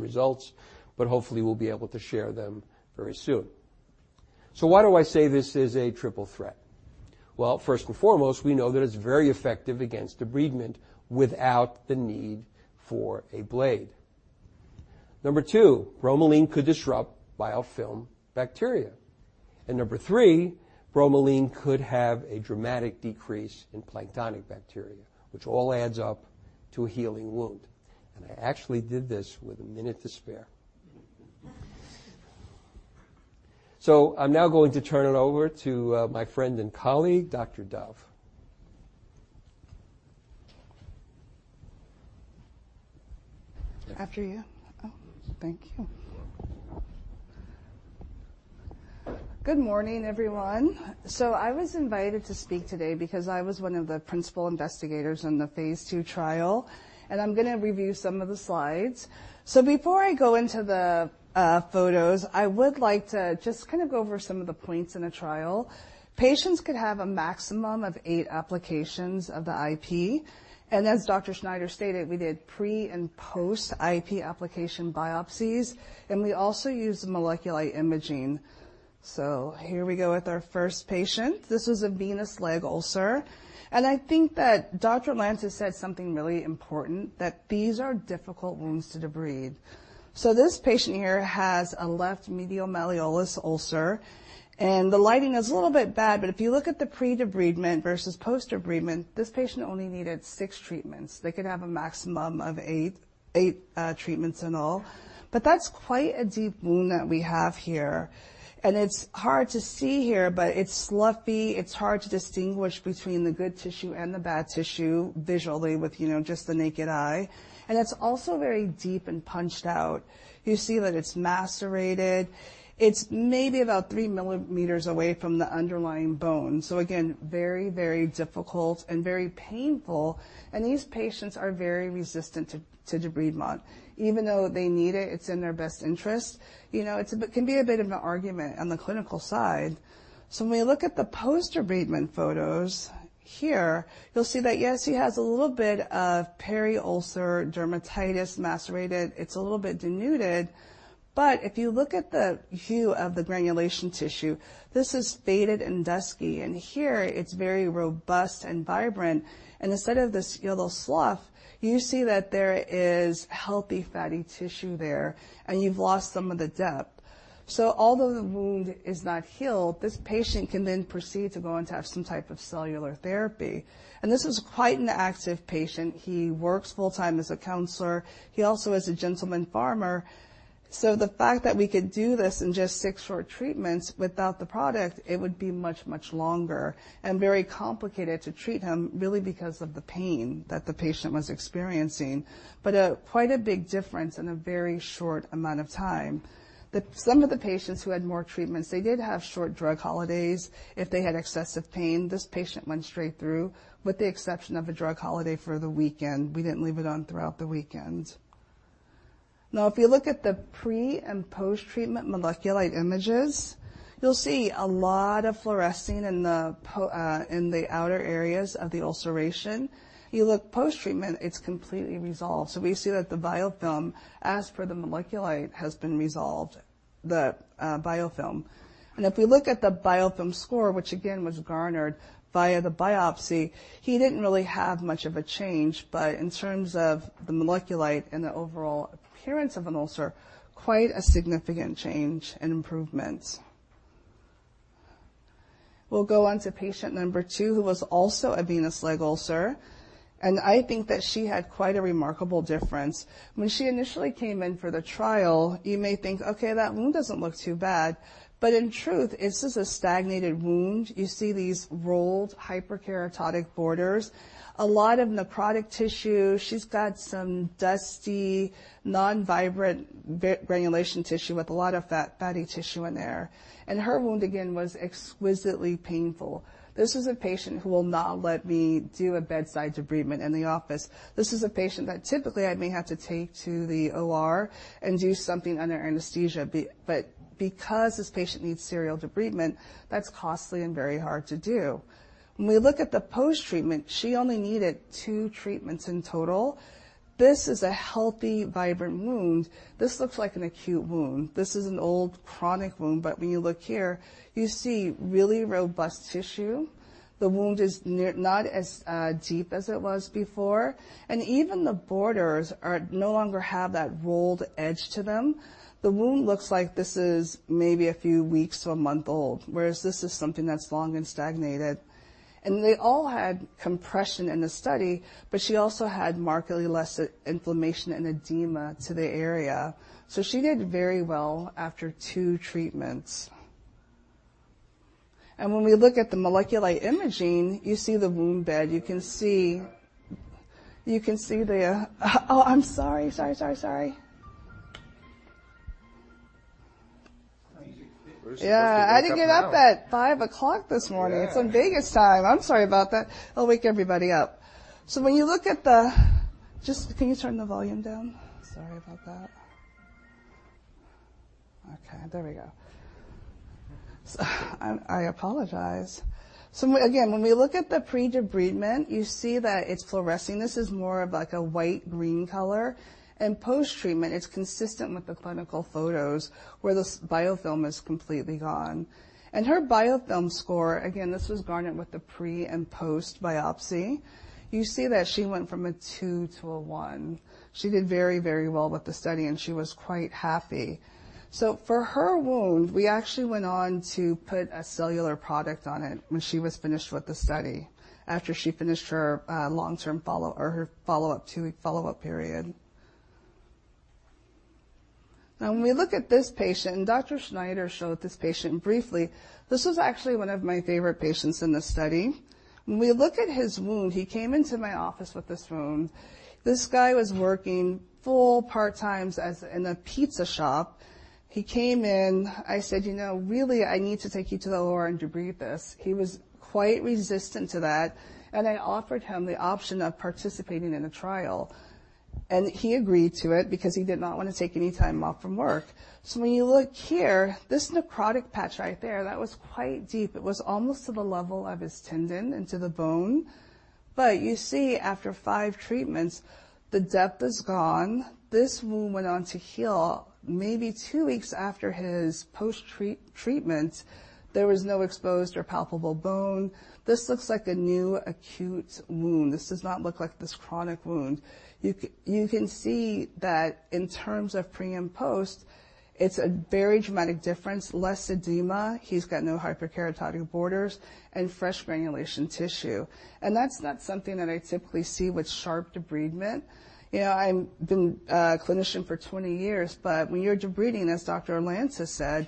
results, but hopefully, we'll be able to share them very soon. Why do I say this is a triple threat? Well, first and foremost, we know that it's very effective against debridement without the need for a blade. Number two, bromelain could disrupt biofilm bacteria. Number three, Bromelain could have a dramatic decrease in planktonic bacteria, which all adds up to a healing wound. I actually did this with a minute to spare. I'm now going to turn it over to my friend and colleague, Dr. Dove. After you. Oh, thank you. Good morning, everyone. I was invited to speak today because I was one of the principal investigators in the phase II trial, and I'm gonna review some of the slides. Before I go into the photos, I would like to just kind of go over some of the points in the trial. Patients could have a maximum of eight applications of the IP. As Dr. Snyder stated, we did pre and post IP application biopsies, and we also used molecular imaging. Here we go with our first patient. This is a venous leg ulcer. I think that Dr. Lantis has said something really important, that these are difficult wounds to debride. This patient here has a left medial malleolus ulcer, and the lighting is a little bit bad, but if you look at the pre-debridement versus post-debridement, this patient only needed six treatments. They could have a maximum of eight treatments in all. That's quite a deep wound that we have here. It's hard to see here, but it's sloughy. It's hard to distinguish between the good tissue and the bad tissue visually with, you know, just the naked eye. It's also very deep and punched out. You see that it's macerated. It's maybe about three millimeters away from the underlying bone. Again, very, very difficult and very painful. These patients are very resistant to debridement. Even though they need it's in their best interest, you know, it's a bit, can be a bit of an argument on the clinical side. When we look at the post-debridement photos here, you'll see that, yes, he has a little bit of peri-ulcer dermatitis, macerated. It's a little bit denuded. If you look at the hue of the granulation tissue, this is faded and dusky. Here it's very robust and vibrant. Instead of this yellow slough, you see that there is healthy fatty tissue there, and you've lost some of the depth. Although the wound is not healed, this patient can then proceed to go on to have some type of cellular therapy. This is quite an active patient. He works full-time as a counselor. He also is a gentleman farmer. The fact that we could do this in just six short treatments without the product, it would be much, much longer and very complicated to treat him really because of the pain that the patient was experiencing. Quite a big difference in a very short amount of time. Some of the patients who had more treatments, they did have short drug holidays if they had excessive pain. This patient went straight through, with the exception of a drug holiday for the weekend. We didn't leave it on throughout the weekend. Now, if you look at the pre- and post-treatment MolecuLight images, you'll see a lot of fluorescing in the outer areas of the ulceration. You look post-treatment, it's completely resolved. We see that the biofilm, as per the MolecuLight, has been resolved, the biofilm. If we look at the biofilm score, which again was garnered via the biopsy, he didn't really have much of a change. In terms of the MolecuLight and the overall appearance of an ulcer, quite a significant change and improvement. We'll go on to patient number two, who was also a venous leg ulcer, and I think that she had quite a remarkable difference. When she initially came in for the trial, you may think, "Okay, that wound doesn't look too bad." In truth, it's just a stagnated wound. You see these rolled hyperkeratotic borders, a lot of necrotic tissue. She's got some dusty, non-vibrant granulation tissue with a lot of fat, fatty tissue in there. Her wound, again, was exquisitely painful. This is a patient who will not let me do a bedside debridement in the office. This is a patient that typically I may have to take to the OR and do something under anesthesia. But because this patient needs serial debridement, that's costly and very hard to do. When we look at the post-treatment, she only needed two treatments in total. This is a healthy, vibrant wound. This looks like an acute wound. This is an old chronic wound, but when you look here, you see really robust tissue. The wound is nearly not as deep as it was before, and even the borders no longer have that rolled edge to them. The wound looks like this is maybe a few weeks to a month old, whereas this is something that's long and stagnated. They all had compression in the study, but she also had markedly less inflammation and edema to the area. She did very well after two treatments. When we look at the MolecuLight imaging, you see the wound bed. You can see the. Oh, I'm sorry. Sorry. Sorry. Sorry. Yeah. I didn't get up at 5:00 A.M. this morning. Yeah. It's on Vegas time. I'm sorry about that. I'll wake everybody up. When you look at the... Just please turn the volume down. Sorry about that. I apologize. Again, when we look at the pre-debridement, you see that it's fluorescing. This is more of like a white-green color. Post-treatment, it's consistent with the clinical photos where this biofilm is completely gone. Her biofilm score, again, this was garnered with the pre and post biopsy. You see that she went from a two to a one. She did very, very well with the study, and she was quite happy. For her wound, we actually went on to put a cellular product on it when she was finished with the study, after she finished her follow-up, 2-week follow-up period. Now when we look at this patient, Dr. Snyder showed this patient briefly. This was actually one of my favorite patients in the study. When we look at his wound, he came into my office with this wound. This guy was working full part-times as in a pizza shop. He came in. I said, "You know, really, I need to take you to the OR and debride this." He was quite resistant to that, and I offered him the option of participating in a trial. He agreed to it because he did not wanna take any time off from work. When you look here, this necrotic patch right there, that was quite deep. It was almost to the level of his tendon into the bone. You see after five treatments, the depth is gone. This wound went on to heal maybe two weeks after his post-treatment. There was no exposed or palpable bone. This looks like a new acute wound. This does not look like this chronic wound. You can see that in terms of pre and post, it's a very dramatic difference, less edema. He's got no hyperkeratotic borders and fresh granulation tissue. That's not something that I typically see with sharp debridement. You know, I've been a clinician for 20 years, but when you're debriding, as Dr. Lantis said,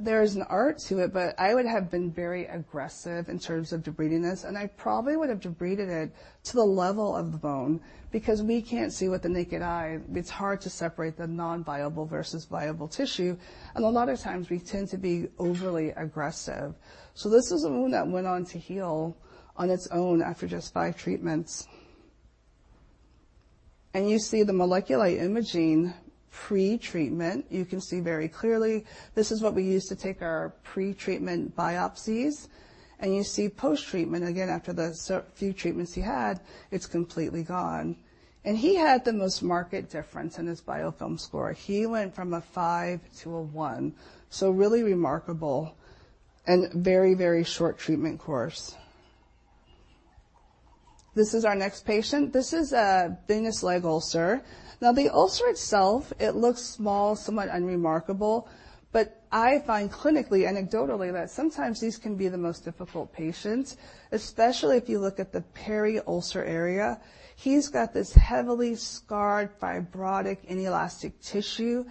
there is an art to it, but I would have been very aggressive in terms of debriding this, and I probably would have debrided it to the level of the bone because we can't see with the naked eye. It's hard to separate the non-viable versus viable tissue. A lot of times we tend to be overly aggressive. This is a wound that went on to heal on its own after just five treatments. You see the MolecuLight imaging pre-treatment. You can see very clearly this is what we use to take our pre-treatment biopsies. You see post-treatment, again, after the few treatments he had, it's completely gone. He had the most marked difference in his biofilm score. He went from a five to a one, so really remarkable and very, very short treatment course. This is our next patient. This is a venous leg ulcer. Now, the ulcer itself, it looks small, somewhat unremarkable, but I find clinically, anecdotally, that sometimes these can be the most difficult patients, especially if you look at the peri-ulcer area. He's got this heavily scarred, fibrotic, inelastic tissue,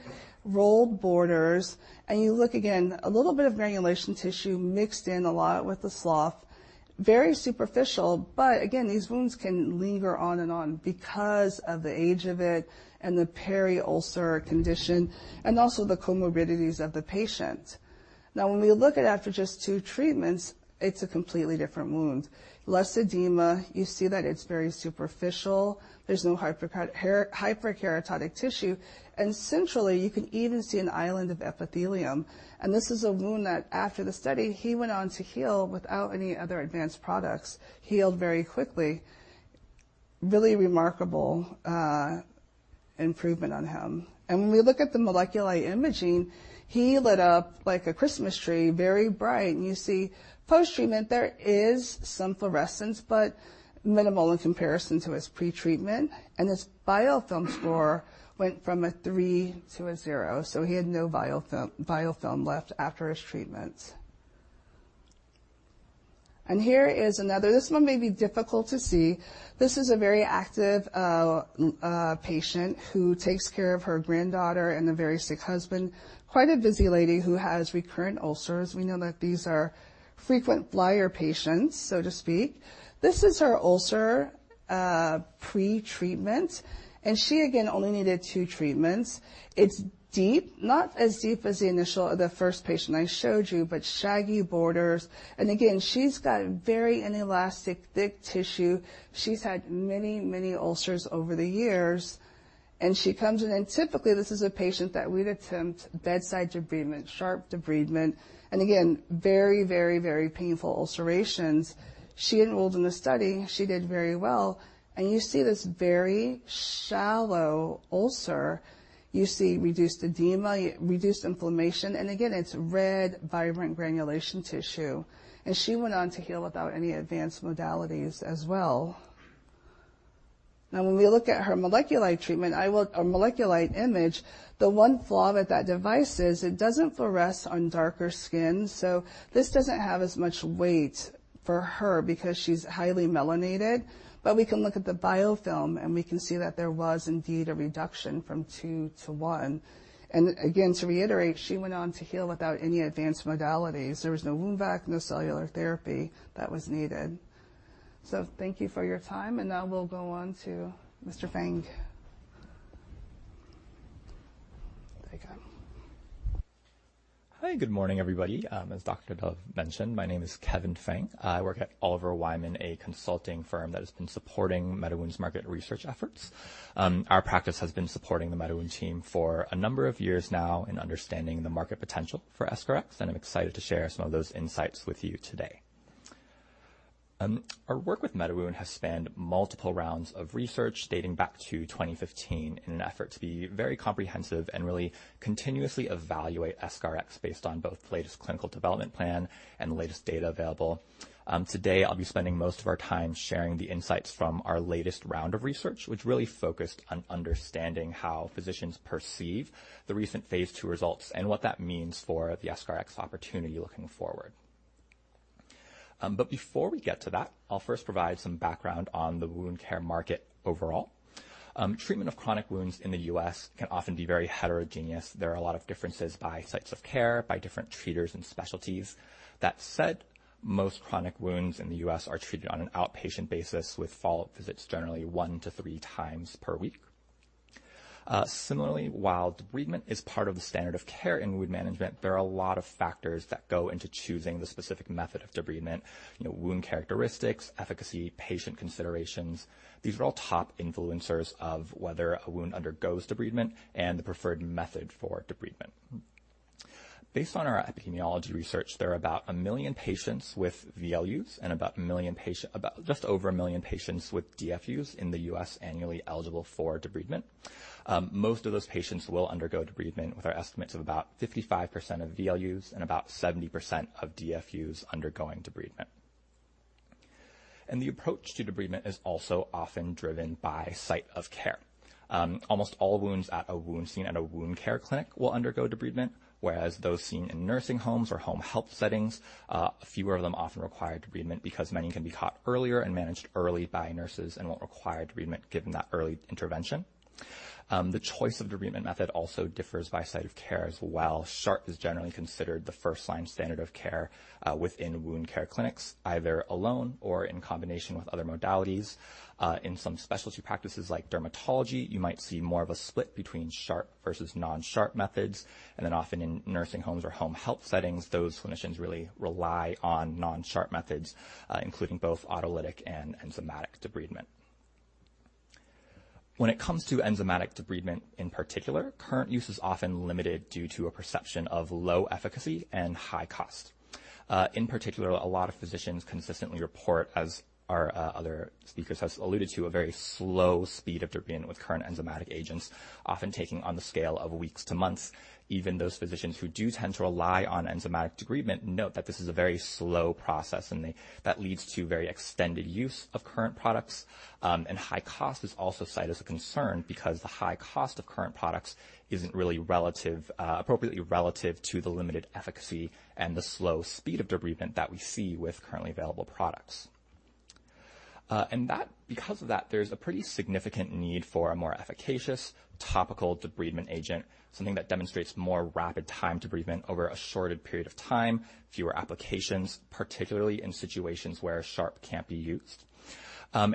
rolled borders. You look, again, a little bit of granulation tissue mixed in a lot with the slough. Very superficial, but again, these wounds can linger on and on because of the age of it and the peri-ulcer condition and also the comorbidities of the patient. Now, when we look at after just two treatments, it's a completely different wound. Less edema. You see that it's very superficial. There's no hyperkeratotic tissue. Centrally, you can even see an island of epithelium. This is a wound that after the study, he went on to heal without any other advanced products, healed very quickly. Really remarkable improvement on him. When we look at the MolecuLight imaging, he lit up like a Christmas tree, very bright. You see post-treatment, there is some fluorescence, but minimal in comparison to his pre-treatment. His biofilm score went from a three to a zero, so he had no biofilm left after his treatment. Here is another. This one may be difficult to see. This is a very active patient who takes care of her granddaughter and a very sick husband. Quite a busy lady who has recurrent ulcers. We know that these are frequent flyer patients, so to speak. This is her ulcer pre-treatment, and she again only needed two treatments. It's deep, not as deep as the initial, the first patient I showed you, but shaggy borders. Again, she's got very inelastic, thick tissue. She's had many, many ulcers over the years, and she comes in. Typically, this is a patient that we'd attempt bedside debridement, sharp debridement. Again, very, very, very painful ulcerations. She enrolled in the study. She did very well. You see this very shallow ulcer. You see reduced edema, reduced inflammation. Again, it's red, vibrant granulation tissue. She went on to heal without any advanced modalities as well. Now when we look at her MolecuLight treatment, or MolecuLight image, the one flaw with that device is it doesn't fluoresce on darker skin, so this doesn't have as much weight for her because she's highly melanated. We can look at the biofilm, and we can see that there was indeed a reduction from two to one. Again, to reiterate, she went on to heal without any advanced modalities. There was no wound vac, no cellular therapy that was needed. Thank you for your time, and now we'll go on to Mr. Feng. There you go. Hi, good morning, everybody. As Dr. Dove mentioned, my name is Kevin Feng. I work at Oliver Wyman, a consulting firm that has been supporting MediWound's market research efforts. Our practice has been supporting the MediWound team for a number of years now in understanding the market potential for EscharEx, and I'm excited to share some of those insights with you today. Our work with MediWound has spanned multiple rounds of research dating back to 2015 in an effort to be very comprehensive and really continuously evaluate EscharEx based on both the latest clinical development plan and the latest data available. Today, I'll be spending most of our time sharing the insights from our latest round of research, which really focused on understanding how physicians perceive the recent phase II results and what that means for the EscharEx opportunity looking forward. Before we get to that, I'll first provide some background on the wound care market overall. Treatment of chronic wounds in the U.S. can often be very heterogeneous. There are a lot of differences by sites of care, by different treaters and specialties. That said, most chronic wounds in the U.S. are treated on an outpatient basis with follow-up visits generally 1x-3x per week. Similarly, while debridement is part of the standard of care in wound management, there are a lot of factors that go into choosing the specific method of debridement. You know, wound characteristics, efficacy, patient considerations. These are all top influencers of whether a wound undergoes debridement and the preferred method for debridement. Based on our epidemiology research, there are about one million patients with VLUs and about just over one million patients with DFUs in the U.S. annually eligible for debridement. Most of those patients will undergo debridement with our estimates of about 55% of VLUs and about 70% of DFUs undergoing debridement. The approach to debridement is also often driven by site of care. Almost all wounds at a wound care clinic will undergo debridement, whereas those seen in nursing homes or home health settings, fewer of them often require debridement because many can be caught earlier and managed early by nurses and won't require debridement given that early intervention. The choice of debridement method also differs by site of care as well. Sharp is generally considered the first-line standard of care within wound care clinics, either alone or in combination with other modalities. In some specialty practices like dermatology, you might see more of a split between sharp versus non-sharp methods, and then often in nursing homes or home health settings, those clinicians really rely on non-sharp methods, including both autolytic and enzymatic debridement. When it comes to enzymatic debridement in particular, current use is often limited due to a perception of low efficacy and high cost. In particular, a lot of physicians consistently report, as our other speakers has alluded to, a very slow speed of debridement with current enzymatic agents, often taking on the scale of weeks to months. Even those physicians who do tend to rely on enzymatic debridement note that this is a very slow process, that leads to very extended use of current products. High cost is also cited as a concern because the high cost of current products isn't really appropriately relative to the limited efficacy and the slow speed of debridement that we see with currently available products. Because of that, there's a pretty significant need for a more efficacious topical debridement agent, something that demonstrates more rapid time debridement over a shorter period of time, fewer applications, particularly in situations where sharp can't be used.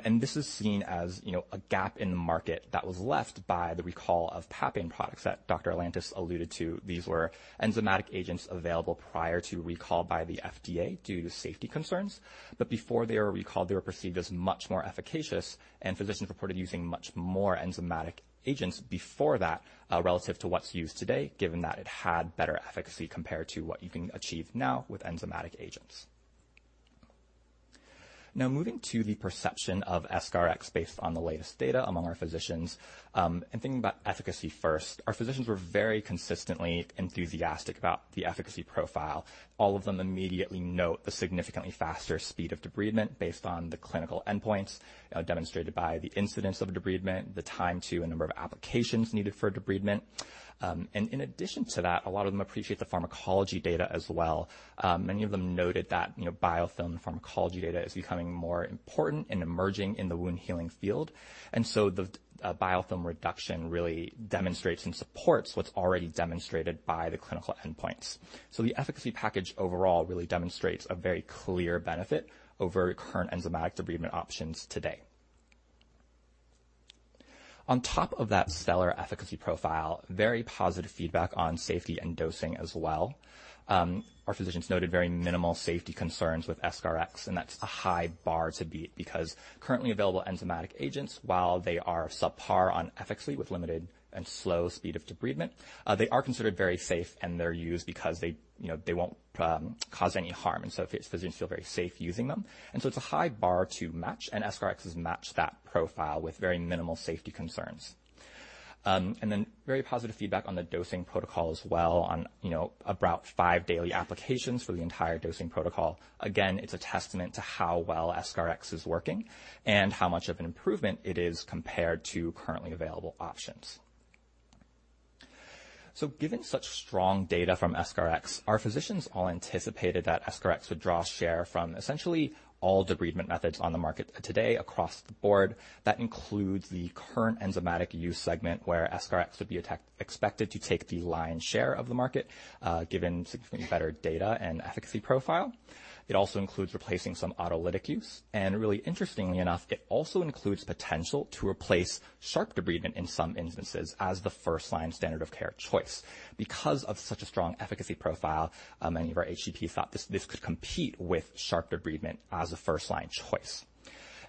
This is seen as, you know, a gap in the market that was left by the recall of Papain products that Dr. Lantis alluded to. These were enzymatic agents available prior to recall by the FDA due to safety concerns. Before they were recalled, they were perceived as much more efficacious, and physicians reported using much more enzymatic agents before that, relative to what's used today, given that it had better efficacy compared to what you can achieve now with enzymatic agents. Now, moving to the perception of EscharEx based on the latest data among our physicians, and thinking about efficacy first, our physicians were very consistently enthusiastic about the efficacy profile. All of them immediately note the significantly faster speed of debridement based on the clinical endpoints, demonstrated by the incidence of debridement, the time to a number of applications needed for debridement. In addition to that, a lot of them appreciate the pharmacology data as well. Many of them noted that, you know, biofilm pharmacology data is becoming more important and emerging in the wound healing field. The biofilm reduction really demonstrates and supports what's already demonstrated by the clinical endpoints. The efficacy package overall really demonstrates a very clear benefit over current enzymatic debridement options today. On top of that stellar efficacy profile, very positive feedback on safety and dosing as well. Our physicians noted very minimal safety concerns with EscharEx, and that's a high bar to beat because currently available enzymatic agents, while they are subpar on efficacy with limited and slow speed of debridement, they are considered very safe, and they're used because they, you know, they won't cause any harm. Physicians feel very safe using them. It's a high bar to match, and EscharEx has matched that profile with very minimal safety concerns. And then very positive feedback on the dosing protocol as well on, you know, about five daily applications for the entire dosing protocol. Again, it's a testament to how well EscharEx is working and how much of an improvement it is compared to currently available options. Given such strong data from EscharEx, our physicians all anticipated that EscharEx would draw share from essentially all debridement methods on the market today across the board. That includes the current enzymatic use segment, where EscharEx would be expected to take the lion's share of the market, given significantly better data and efficacy profile. It also includes replacing some autolytic use. Really interestingly enough, it also includes potential to replace sharp debridement in some instances as the first line standard of care choice. Because of such a strong efficacy profile, many of our HCP thought this could compete with sharp debridement as a first line choice.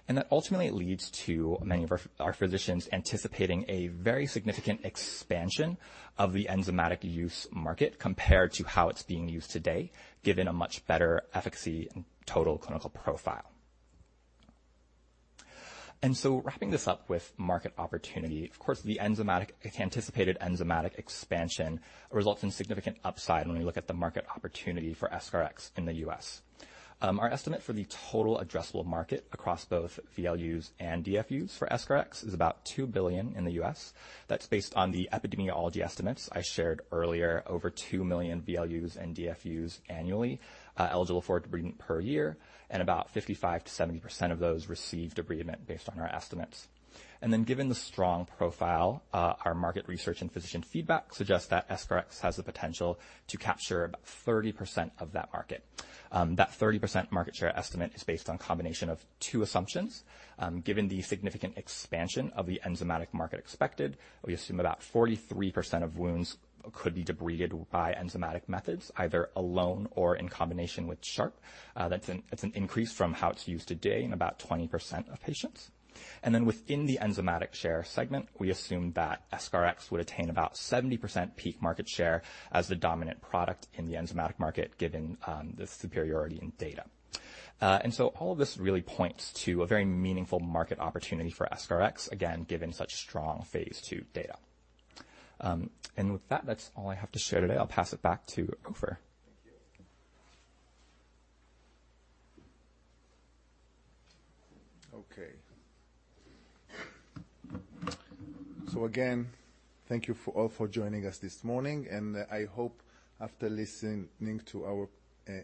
That ultimately leads to many of our physicians anticipating a very significant expansion of the enzymatic use market compared to how it's being used today, given a much better efficacy and total clinical profile. Wrapping this up with market opportunity. Of course, anticipated enzymatic expansion results in significant upside when we look at the market opportunity for EscharEx in the U.S. Our estimate for the total addressable market across both VLUs and DFUs for EscharEx is about $2 billion in the U.S. That's based on the epidemiology estimates I shared earlier, over 2 million VLUs and DFUs annually, eligible for debridement per year, and about 55%-70% of those receive debridement based on our estimates. Given the strong profile, our market research and physician feedback suggests that EscharEx has the potential to capture about 30% of that market. That 30% market share estimate is based on combination of two assumptions. Given the significant expansion of the enzymatic market expected, we assume about 43% of wounds could be debrided by enzymatic methods, either alone or in combination with sharp. That's an increase from how it's used today in about 20% of patients. Within the enzymatic debridement segment, we assume that EscharEx would attain about 70% peak market share as the dominant product in the enzymatic market, given the superiority in data. All of this really points to a very meaningful market opportunity for EscharEx, again, given such strong phase II data. With that's all I have to share today. I'll pass it back to Ofer. Okay. Again, thank you all for joining us this morning, and I hope after listening to our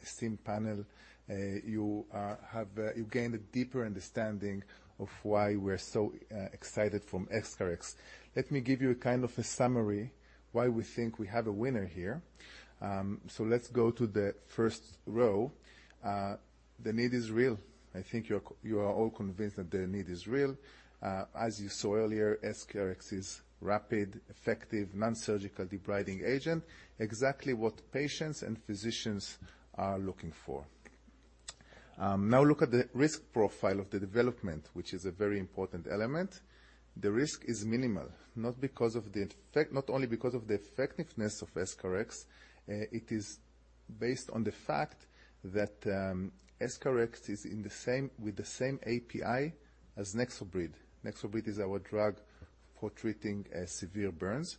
STEM panel, you have gained a deeper understanding of why we're so excited for EscharEx. Let me give you a kind of a summary why we think we have a winner here. Let's go to the first row. The need is real. I think you are all convinced that the need is real. As you saw earlier, EscharEx is rapid, effective, non-surgical debriding agent, exactly what patients and physicians are looking for. Now look at the risk profile of the development, which is a very important element. The risk is minimal, not only because of the effectiveness of EscharEx. It is based on the fact that EscharEx is with the same API as NexoBrid. NexoBrid is our drug for treating severe burns.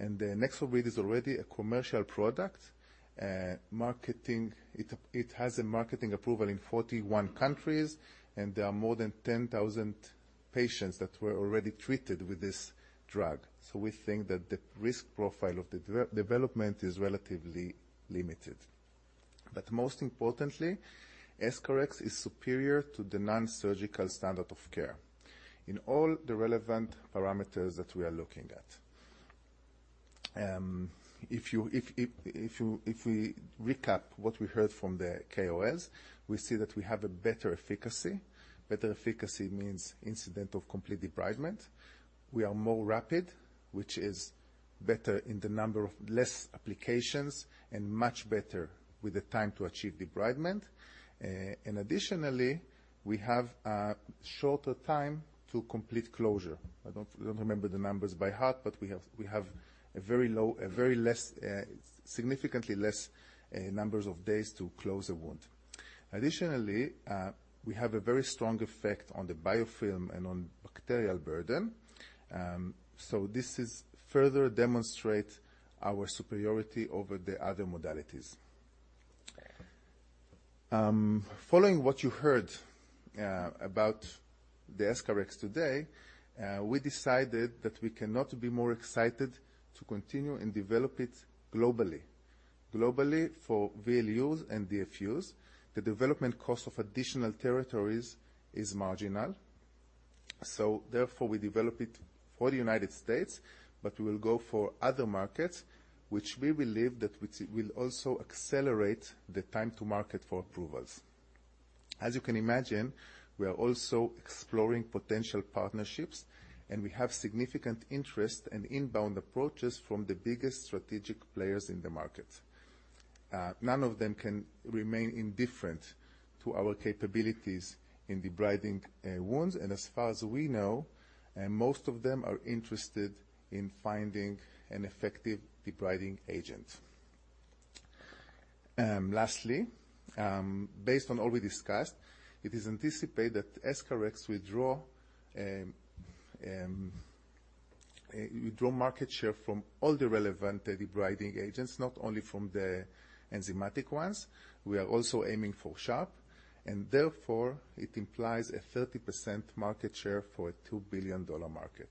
NexoBrid is already a commercial product. It has a marketing approval in 41 countries, and there are more than 10,000 patients that were already treated with this drug. We think that the risk profile of the development is relatively limited. Most importantly, EscharEx is superior to the non-surgical standard of care in all the relevant parameters that we are looking at. If we recap what we heard from the KOLs, we see that we have a better efficacy. Better efficacy means incidence of complete debridement. We are more rapid, which is better in the number of less applications and much better with the time to achieve debridement. Additionally, we have a shorter time to complete closure. I don't remember the numbers by heart, but we have significantly less numbers of days to close a wound. Additionally, we have a very strong effect on the biofilm and on bacterial burden. This is further demonstrate our superiority over the other modalities. Following what you heard about the EscharEx today, we decided that we cannot be more excited to continue and develop it globally. Globally for VLUs and DFUs. The development cost of additional territories is marginal. Therefore, we develop it for the United States, but we will go for other markets, which we believe will also accelerate the time to market for approvals. As you can imagine, we are also exploring potential partnerships, and we have significant interest and inbound approaches from the biggest strategic players in the market. None of them can remain indifferent to our capabilities in debriding wounds. As far as we know, most of them are interested in finding an effective debriding agent. Based on all we discussed, it is anticipated that EscharEx withdraw market share from all the relevant debriding agents, not only from the enzymatic ones. We are also aiming for sharp, and therefore, it implies a 30% market share for a $2 billion market.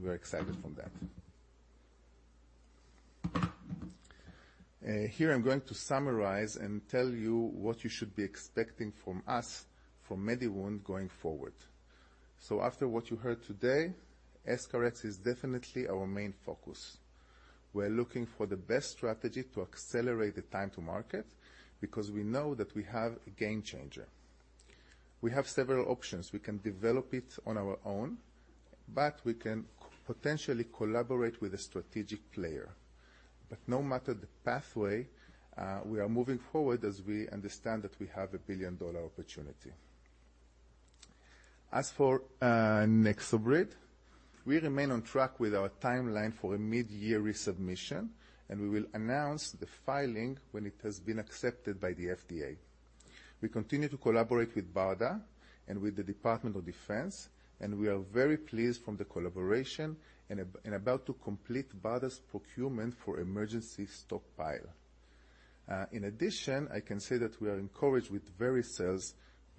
We're excited. From that, here I'm going to summarize and tell you what you should be expecting from us, from MediWound going forward. After what you heard today, EscharEx is definitely our main focus. We're looking for the best strategy to accelerate the time to market because we know that we have a game changer. We have several options. We can develop it on our own, but we can potentially collaborate with a strategic player. But no matter the pathway, we are moving forward as we understand that we have a billion-dollar opportunity. As for NexoBrid, we remain on track with our timeline for a mid-year resubmission, and we will announce the filing when it has been accepted by the FDA. We continue to collaborate with BARDA and with the Department of Defense, and we are very pleased with the collaboration and about to complete BARDA's procurement for emergency stockpile. In addition, I can say that we are encouraged with Vericel's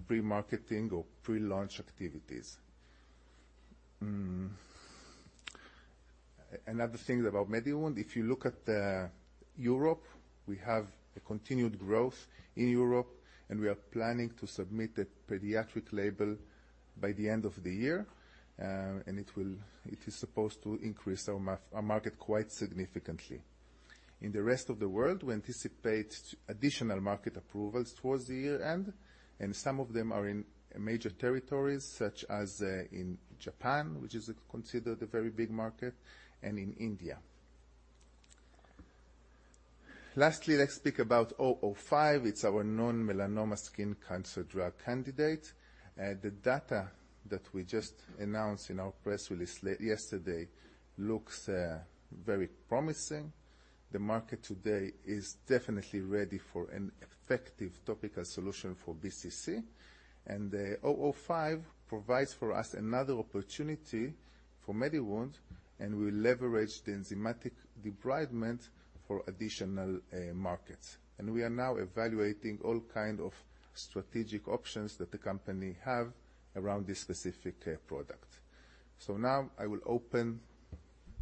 pre-marketing or pre-launch activities. Another thing about MediWound, if you look at Europe, we have a continued growth in Europe, and we are planning to submit a pediatric label by the end of the year. It is supposed to increase our market quite significantly. In the rest of the world, we anticipate additional market approvals towards the year-end, and some of them are in major territories, such as in Japan, which is considered a very big market, and in India. Lastly, let's speak about MW005. It's our non-melanoma skin cancer drug candidate. The data that we just announced in our press release yesterday looks very promising. The market today is definitely ready for an effective topical solution for BCC. The MW005 provides for us another opportunity for MediWound, and we leverage the enzymatic debridement for additional markets. We are now evaluating all kind of strategic options that the company have around this specific product. Now I will open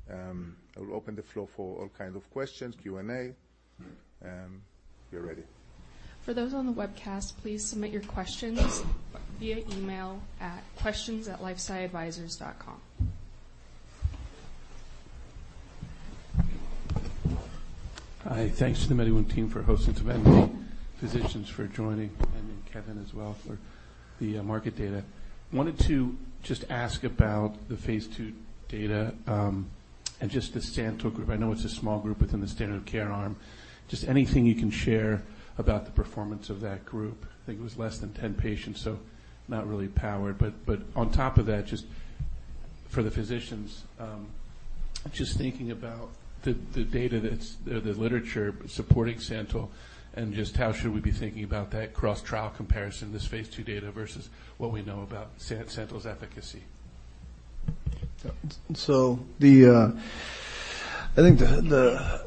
the floor for all kind of questions, Q&A. We are ready. For those on the webcast, please submit your questions via email at questions@lifesciadvisors.com. Hi. Thanks to the MediWound team for hosting today, and the physicians for joining, and then Kevin as well for the market data. Wanted to just ask about the phase II data, and just the Santyl group. I know it's a small group within the standard of care arm. Just anything you can share about the performance of that group. I think it was less than 10 patients, so not really powered. On top of that, just for the physicians, just thinking about the data that's or the literature supporting Santyl and just how should we be thinking about that cross-trial comparison, this phase II data versus what we know about Santyl's efficacy. I think the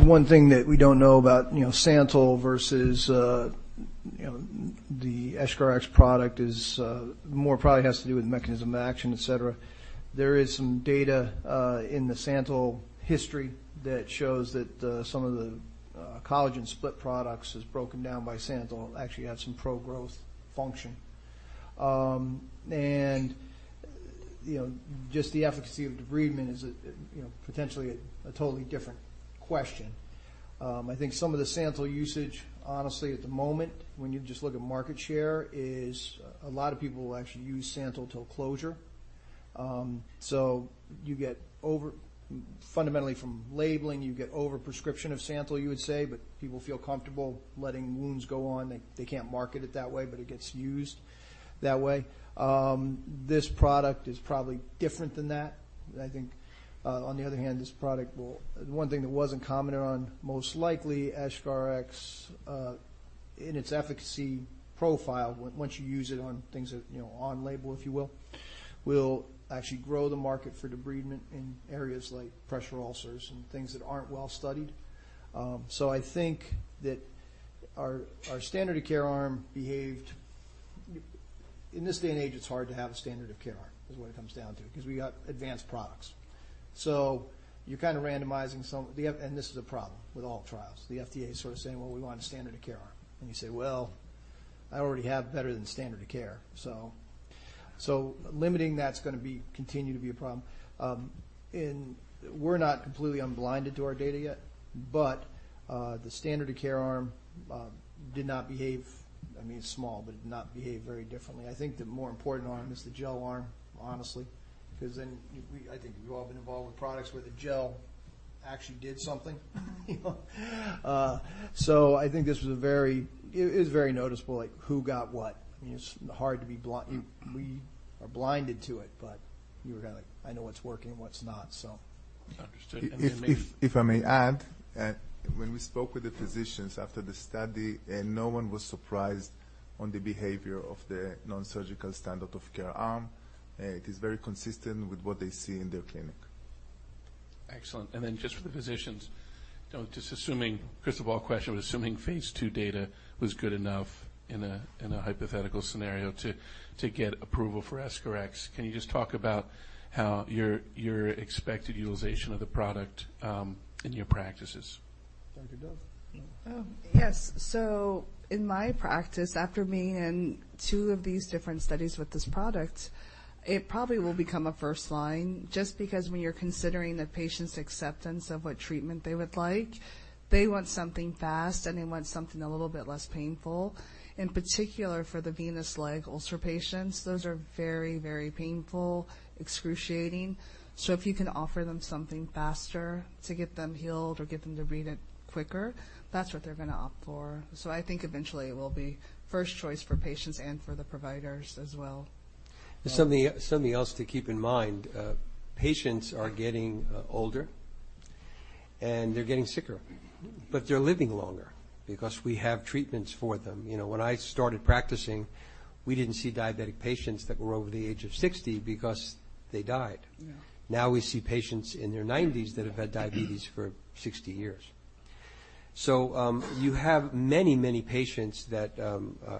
one thing that we don't know about, you know, Santyl versus, you know, the EscharEx product is more probably has to do with mechanism of action, et cetera. There is some data in the Santyl history that shows that some of the collagen split products is broken down by Santyl actually had some pro-growth function. You know, just the efficacy of debridement is a you know, potentially a totally different question. I think some of the Santyl usage, honestly, at the moment, when you just look at market share, is a lot of people will actually use Santyl till closure. You get over. Fundamentally from labeling, you get over-prescription of Santyl, you would say, but people feel comfortable letting wounds go on. They can't market it that way, but it gets used that way. This product is probably different than that. I think, on the other hand, one thing that wasn't commented on, most likely EscharEx, in its efficacy profile, once you use it on things that, you know, on label, if you will actually grow the market for debridement in areas like pressure ulcers and things that aren't well-studied. I think that our standard of care arm behaved. In this day and age, it's hard to have a standard of care arm, is what it comes down to, because we got advanced products. You're kind of randomizing some. This is a problem with all trials. The FDA is sort of saying, "Well, we want a standard of care arm." You say, "Well, I already have better than standard of care." Limiting that's gonna continue to be a problem. We're not completely unblinded to our data yet, but the standard of care arm did not behave, I mean, it's small, but it did not behave very differently. I think the more important arm is the gel arm, honestly, 'cause then you, we, I think you've all been involved with products where the gel actually did something, you know? I think this was a very noticeable, like who got what. I mean, it's hard to be blind. We are blinded to it, but you were kinda, I know what's working and what's not. Understood. If I may add, when we spoke with the physicians after the study and no one was surprised on the behavior of the non-surgical standard of care arm, it is very consistent with what they see in their clinic. Excellent. Just for the physicians, you know, just assuming crystal ball question, but assuming phase II data was good enough in a hypothetical scenario to get approval for EscharEx, can you just talk about how your expected utilization of the product in your practices? Oh, yes. In my practice, after being in two of these different studies with this product, it probably will become a first line, just because when you're considering the patient's acceptance of what treatment they would like, they want something fast, and they want something a little bit less painful. In particular, for the venous leg ulcer patients, those are very, very painful, excruciating. If you can offer them something faster to get them healed or get them to debride quicker, that's what they're gonna opt for. I think eventually it will be first choice for patients and for the providers as well. Something, something else to keep in mind. Patients are getting older, and they're getting sicker, but they're living longer because we have treatments for them. You know, when I started practicing, we didn't see diabetic patients that were over the age of 60 because they died. Now we see patients in their 90s that have had diabetes for 60 years. You have many, many patients that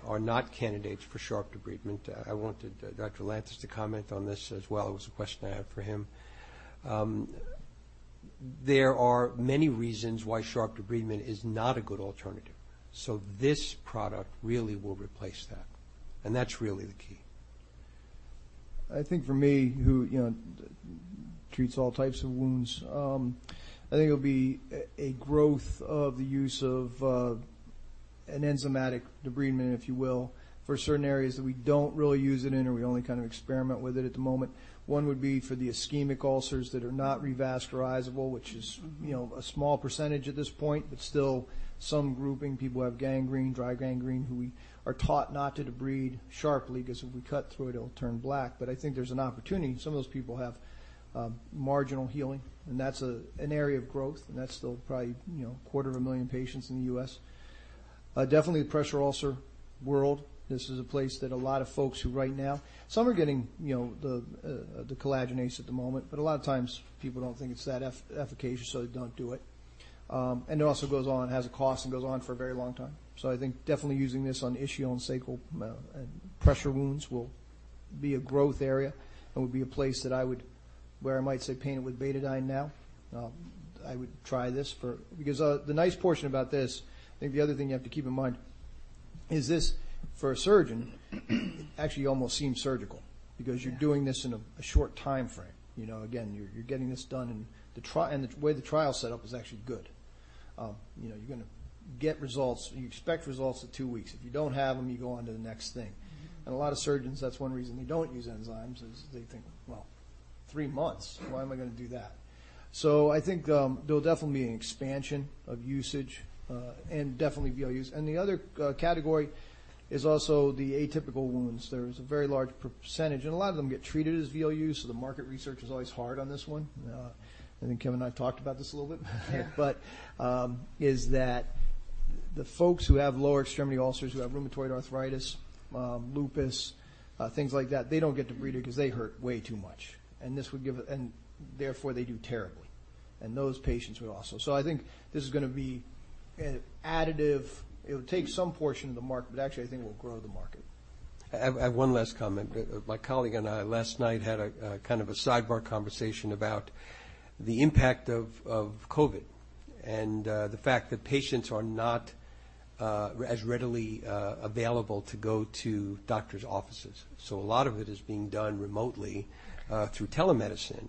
are not candidates for sharp debridement. I wanted Dr. Lantis to comment on this as well. It was a question I had for him. There are many reasons why sharp debridement is not a good alternative. This product really will replace that, and that's really the key. I think for me, who you know treats all types of wounds, I think it'll be a growth of the use of an enzymatic debridement, if you will, for certain areas that we don't really use it in, or we only kind of experiment with it at the moment. One would be for the ischemic ulcers that are not revascularizable, which is you know a small percentage at this point, but still some grouping. People have gangrene, dry gangrene, who we are taught not to debride sharply 'cause if we cut through it'll turn black. But I think there's an opportunity. Some of those people have marginal healing, and that's an area of growth, and that's still probably you know a quarter of a million patients in the U.S. Definitely the pressure ulcer world. This is a place that a lot of folks right now some are getting, you know, the collagenase at the moment, but a lot of times people don't think it's that efficacious, so they don't do it. It also goes on, has a cost, and goes on for a very long time. I think definitely using this on ischial and sacral pressure wounds will be a growth area and would be a place where I might say paint it with Betadine now. I would try this because the nice portion about this, I think the other thing you have to keep in mind is this, for a surgeon, actually almost seems surgical because you're doing this in a short timeframe. You know, again, you're getting this done, and the way the trial's set up is actually good. You know, you're gonna get results. You expect results in two weeks. If you don't have them, you go on to the next thing. A lot of surgeons, that's one reason they don't use enzymes, is they think, well, three months, why am I gonna do that? I think there'll definitely be an expansion of usage, and definitely VLUs. The other category is also the atypical wounds. There's a very large percentage, and a lot of them get treated as VLUs, so the market research is always hard on this one. I think Kevin and I talked about this a little bit. Is that the folks who have lower extremity ulcers, who have rheumatoid arthritis, lupus, things like that, they don't get debrided 'cause they hurt way too much. Therefore, they do terribly. Those patients would also. I think this is gonna be an additive. It would take some portion of the market, but actually I think it will grow the market. I have one last comment. My colleague and I last night had a kind of a sidebar conversation about the impact of COVID and the fact that patients are not as readily available to go to doctor's offices. A lot of it is being done remotely through telemedicine.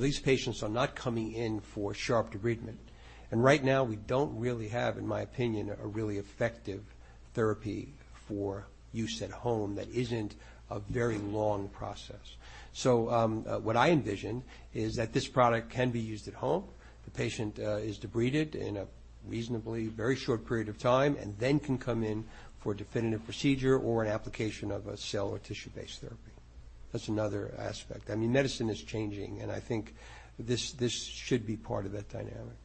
These patients are not coming in for sharp debridement. Right now we don't really have, in my opinion, a really effective therapy for use at home that isn't a very long process. What I envision is that this product can be used at home. The patient is debrided in a reasonably very short period of time and then can come in for a definitive procedure or an application of a cell or tissue-based therapy. That's another aspect. I mean, medicine is changing, and I think this should be part of that dynamic.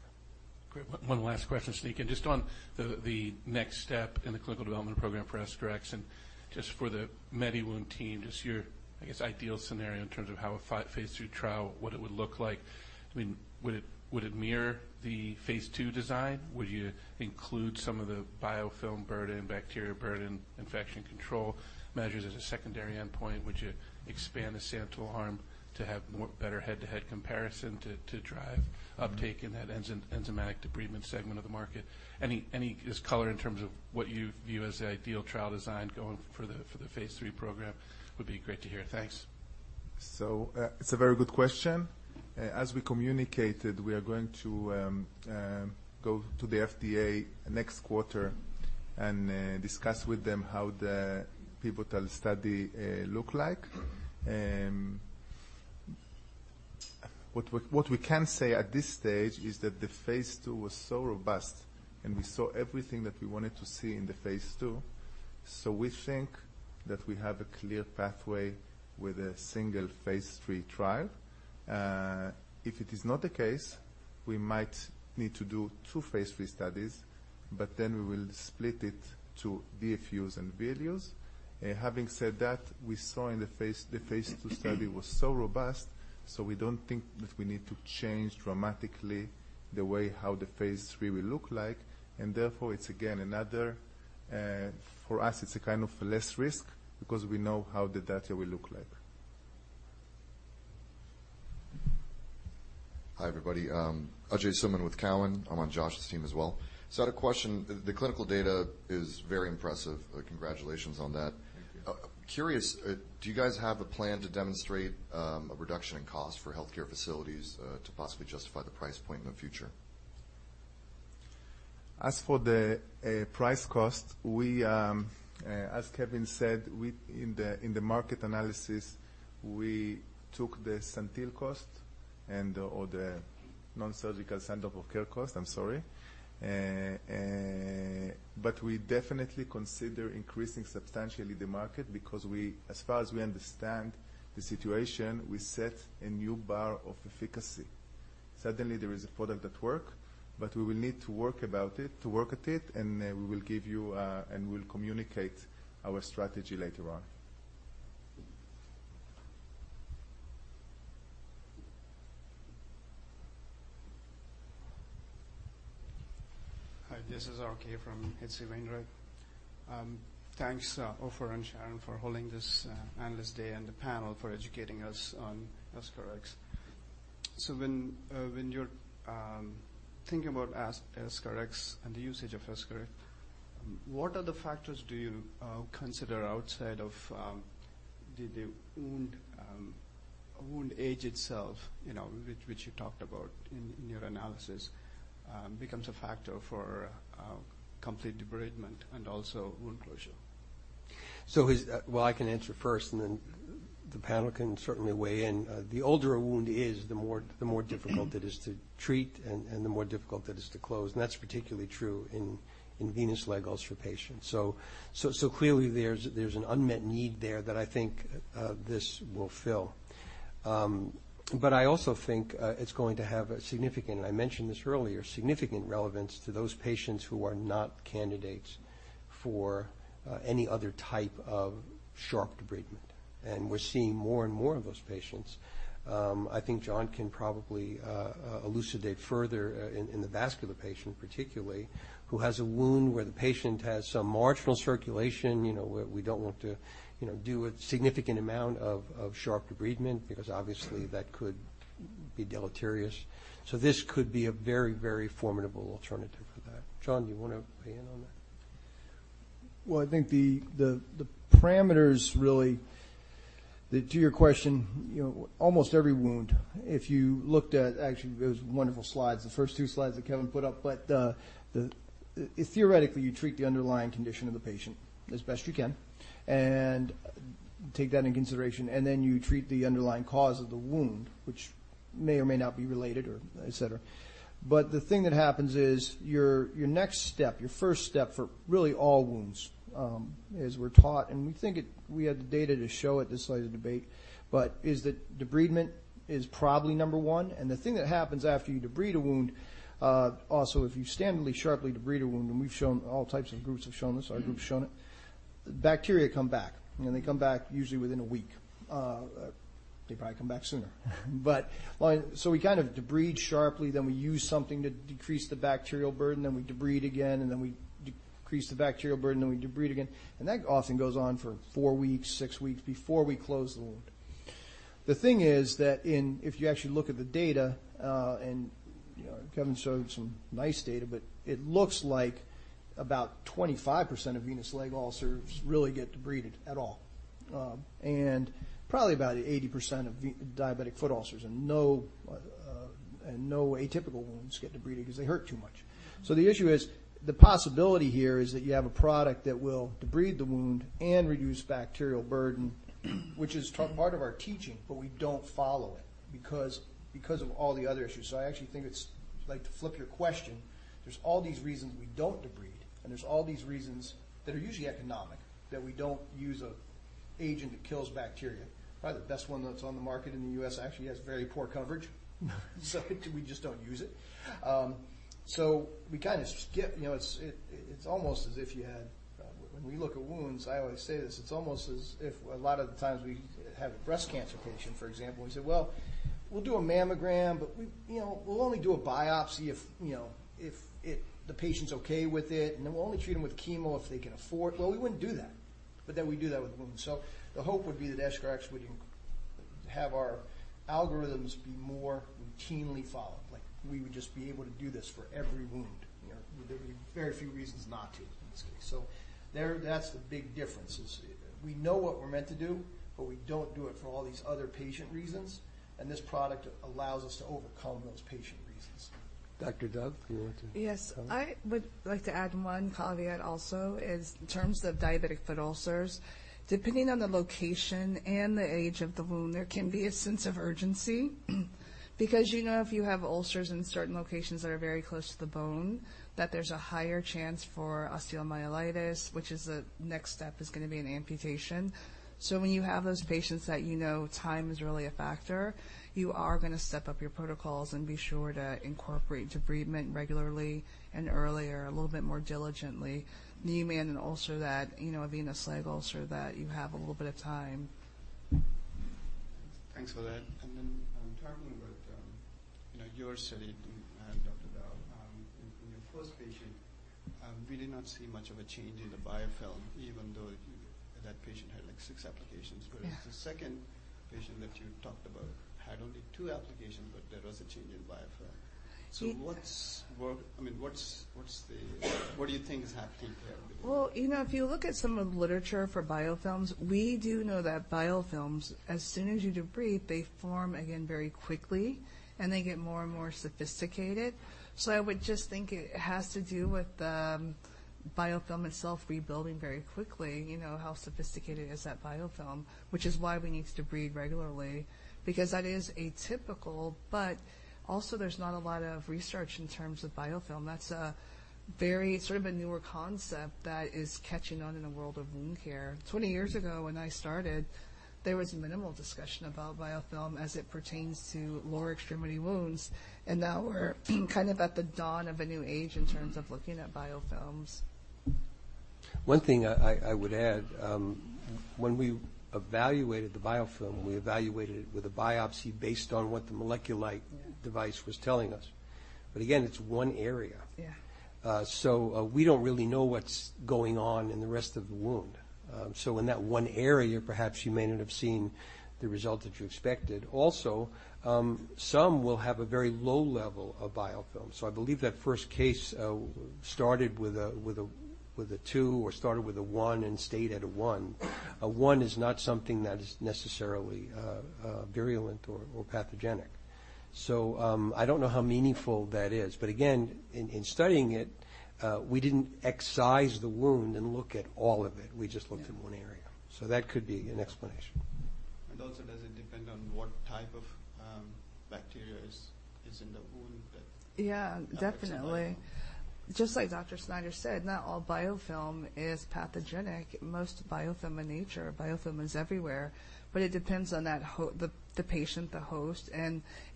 Great. One last question, [inaudible] and just on the next step in the clinical development program for EscharEx and just for the MediWound team, just your, I guess, ideal scenario in terms of how a phase II trial, what it would look like. I mean, would it mirror the phase II design? Would you include some of the biofilm burden, bacteria burden, infection control measures as a secondary endpoint? Would you expand the sample arm to have more better head-to-head comparison to drive uptake in that enzymatic debridement segment of the market? Any just color in terms of what you view as the ideal trial design going forward for the phase III program would be great to hear. Thanks. It's a very good question. As we communicated, we are going to go to the FDA next quarter and discuss with them how the pivotal study look like. What we can say at this stage is that the phase II was so robust, and we saw everything that we wanted to see in the phase II. We think that we have a clear pathway with a single phase III trial. If it is not the case, we might need to do two phase III studies, but then we will split it to DFUs and VLUs. Having said that, we saw in the phase II study was so robust, so we don't think that we need to change dramatically the way how the phase III will look like. Therefore, it's again another for us it's a kind of less risk because we know how the data will look like. Hi, everybody. A.J. Simon with Cowen. I'm on Josh's team as well. I had a question. The clinical data is very impressive. Congratulations on that. Thank you. Curious, do you guys have a plan to demonstrate a reduction in cost for healthcare facilities to possibly justify the price point in the future? As for the price cost, as Kevin said, in the market analysis, we took the Santyl cost and/or the nonsurgical center of care cost. I'm sorry. We definitely consider increasing substantially the market because, as far as we understand the situation, we set a new bar of efficacy. Suddenly, there is a product that work, but we will need to work about it, to work at it, and we will give you, and we'll communicate our strategy later on. Hi, this is RK from H.C. Wainwright. Thanks, Ofer and Sharon for holding this analyst day and the panel for educating us on EscharEx. When you're thinking about EscharEx and the usage of EscharEx, what other factors do you consider outside of the wound age itself, you know, which you talked about in your analysis, becomes a factor for complete debridement and also wound closure? Well, I can answer first, and then the panel can certainly weigh in. The older a wound is, the more difficult it is to treat and the more difficult it is to close. That's particularly true in venous leg ulcer patients. Clearly there's an unmet need there that I think this will fill. I also think it's going to have a significant, I mentioned this earlier, significant relevance to those patients who are not candidates for any other type of sharp debridement. We're seeing more and more of those patients. I think John can probably elucidate further in the vascular patient, particularly, who has a wound where the patient has some marginal circulation, you know, where we don't want to, you know, do a significant amount of sharp debridement because obviously that could be deleterious. This could be a very formidable alternative for that. John, do you wanna weigh in on that? Well, I think the parameters really that to your question, you know, almost every wound, if you looked at actually those wonderful slides, the first two slides that Kevin put up. Theoretically, you treat the underlying condition of the patient as best you can and take that into consideration, and then you treat the underlying cause of the wound, which may or may not be related or etcetera. The thing that happens is your next step, your first step for really all wounds, as we're taught, and we think we have the data to show it, despite of debate, is that debridement is probably number one. The thing that happens after you debride a wound, also if you standardly sharply debride a wound, and we've shown all types of groups have shown this, our group's shown it, bacteria come back, and they come back usually within a week. They probably come back sooner. We kind of debride sharply, then we use something to decrease the bacterial burden, then we debride again, and then we decrease the bacterial burden, then we debride again. That often goes on for four weeks, six weeks before we close the wound. The thing is that if you actually look at the data, you know, Kevin showed some nice data, but it looks like about 25% of venous leg ulcers really get debrided at all. Probably about 80% of diabetic foot ulcers and atypical wounds don't get debrided 'cause they hurt too much. The issue is the possibility here is that you have a product that will debride the wound and reduce bacterial burden, which is part of our teaching, but we don't follow it because of all the other issues. I actually think it's, like, to flip your question, there's all these reasons we don't debride, and there's all these reasons that are usually economic, that we don't use an agent that kills bacteria. Probably the best one that's on the market in the U.S. actually has very poor coverage, so we just don't use it. We kinda skip. You know, it's almost as if you had. When we look at wounds, I always say this, it's almost as if a lot of the times we have a breast cancer patient, for example, and we say, "Well, we'll do a mammogram, but we, you know, we'll only do a biopsy if, you know, if the patient's okay with it, and then we'll only treat them with chemo if they can afford." Well, we wouldn't do that, but then we do that with wounds. The hope would be that EscharEx would have our algorithms be more routinely followed. Like, we would just be able to do this for every wound, you know. There'd be very few reasons not to in this case. There, that's the big difference is we know what we're meant to do, but we don't do it for all these other patient reasons, and this product allows us to overcome those patient reasons. Dr. Dove, do you want to? Yes. I would like to add one caveat also is in terms of diabetic foot ulcers. Depending on the location and the age of the wound, there can be a sense of urgency. You know, if you have ulcers in certain locations that are very close to the bone, that there's a higher chance for osteomyelitis, which is a next step, is gonna be an amputation. When you have those patients that you know time is really a factor, you are gonna step up your protocols and be sure to incorporate debridement regularly and earlier, a little bit more diligently than you may in an ulcer that, you know, a venous leg ulcer that you have a little bit of time. Thanks for that. Your study and Dr. Dove, in your first patient, we did not see much of a change in the biofilm even though that patient had like six applications. Yeah. Whereas the second patient that you talked about had only two applications, but there was a change in biofilm. What do you think is happening there between them? Well, you know, if you look at some of the literature for biofilms, we do know that biofilms, as soon as you debride, they form again very quickly, and they get more and more sophisticated. I would just think it has to do with the biofilm itself rebuilding very quickly. You know, how sophisticated is that biofilm, which is why we need to debride regularly because that is atypical. Also, there's not a lot of research in terms of biofilm. That's a very sort of a newer concept that is catching on in the world of wound care. 20 years ago, when I started, there was minimal discussion about biofilm as it pertains to lower extremity wounds, and now we're kind of at the dawn of a new age in terms of looking at biofilms. One thing I would add, when we evaluated the biofilm, we evaluated it with a biopsy based on what the MolecuLight device was telling us. Again, it's one area. Yeah. We don't really know what's going on in the rest of the wound. In that one area, perhaps you may not have seen the result that you expected. Also, some will have a very low level of biofilm. I believe that first case started with a two or started with a one and stayed at a one. A one is not something that is necessarily virulent or pathogenic. I don't know how meaningful that is, but again, in studying it, we didn't excise the wound and look at all of it. We just looked at one area. That could be an explanation. Does it depend on what type of bacteria is in the wound that- Yeah, definitely. Affects the biofilm. Just like Dr. Snyder said, not all biofilm is pathogenic. Most biofilm in nature, biofilm is everywhere, but it depends on that the patient, the host.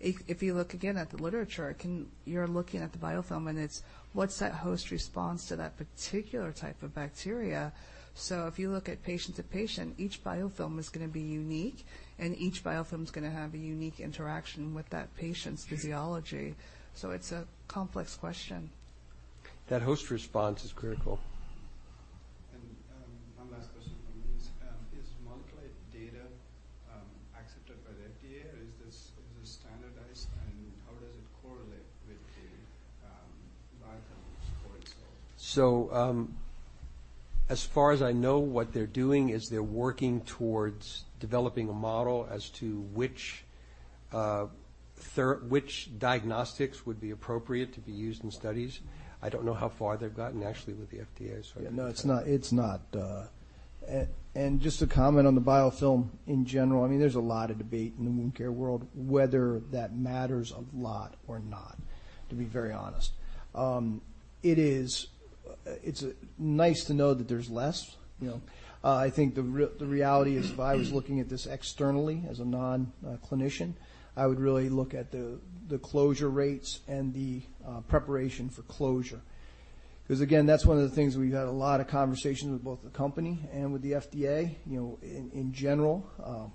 If you look again at the literature, you're looking at the biofilm, and it's what's that host response to that particular type of bacteria. If you look at patient to patient, each biofilm is gonna be unique, and each biofilm's gonna have a unique interaction with that patient's physiology. It's a complex question. That host response is critical. One last question from me is MolecuLight data accepted by the FDA or is this standardized, and how does it correlate with the biofilm score itself? As far as I know, what they're doing is they're working towards developing a model as to which diagnostics would be appropriate to be used in studies. I don't know how far they've gotten actually with the FDA. Yeah, no, it's not. Just to comment on the biofilm in general, I mean, there's a lot of debate in the wound care world whether that matters a lot or not, to be very honest. It's nice to know that there's less, you know. I think the reality is, if I was looking at this externally as a non-clinician, I would really look at the closure rates and the preparation for closure. 'Cause again, that's one of the things we've had a lot of conversations with both the company and with the FDA. You know, in general,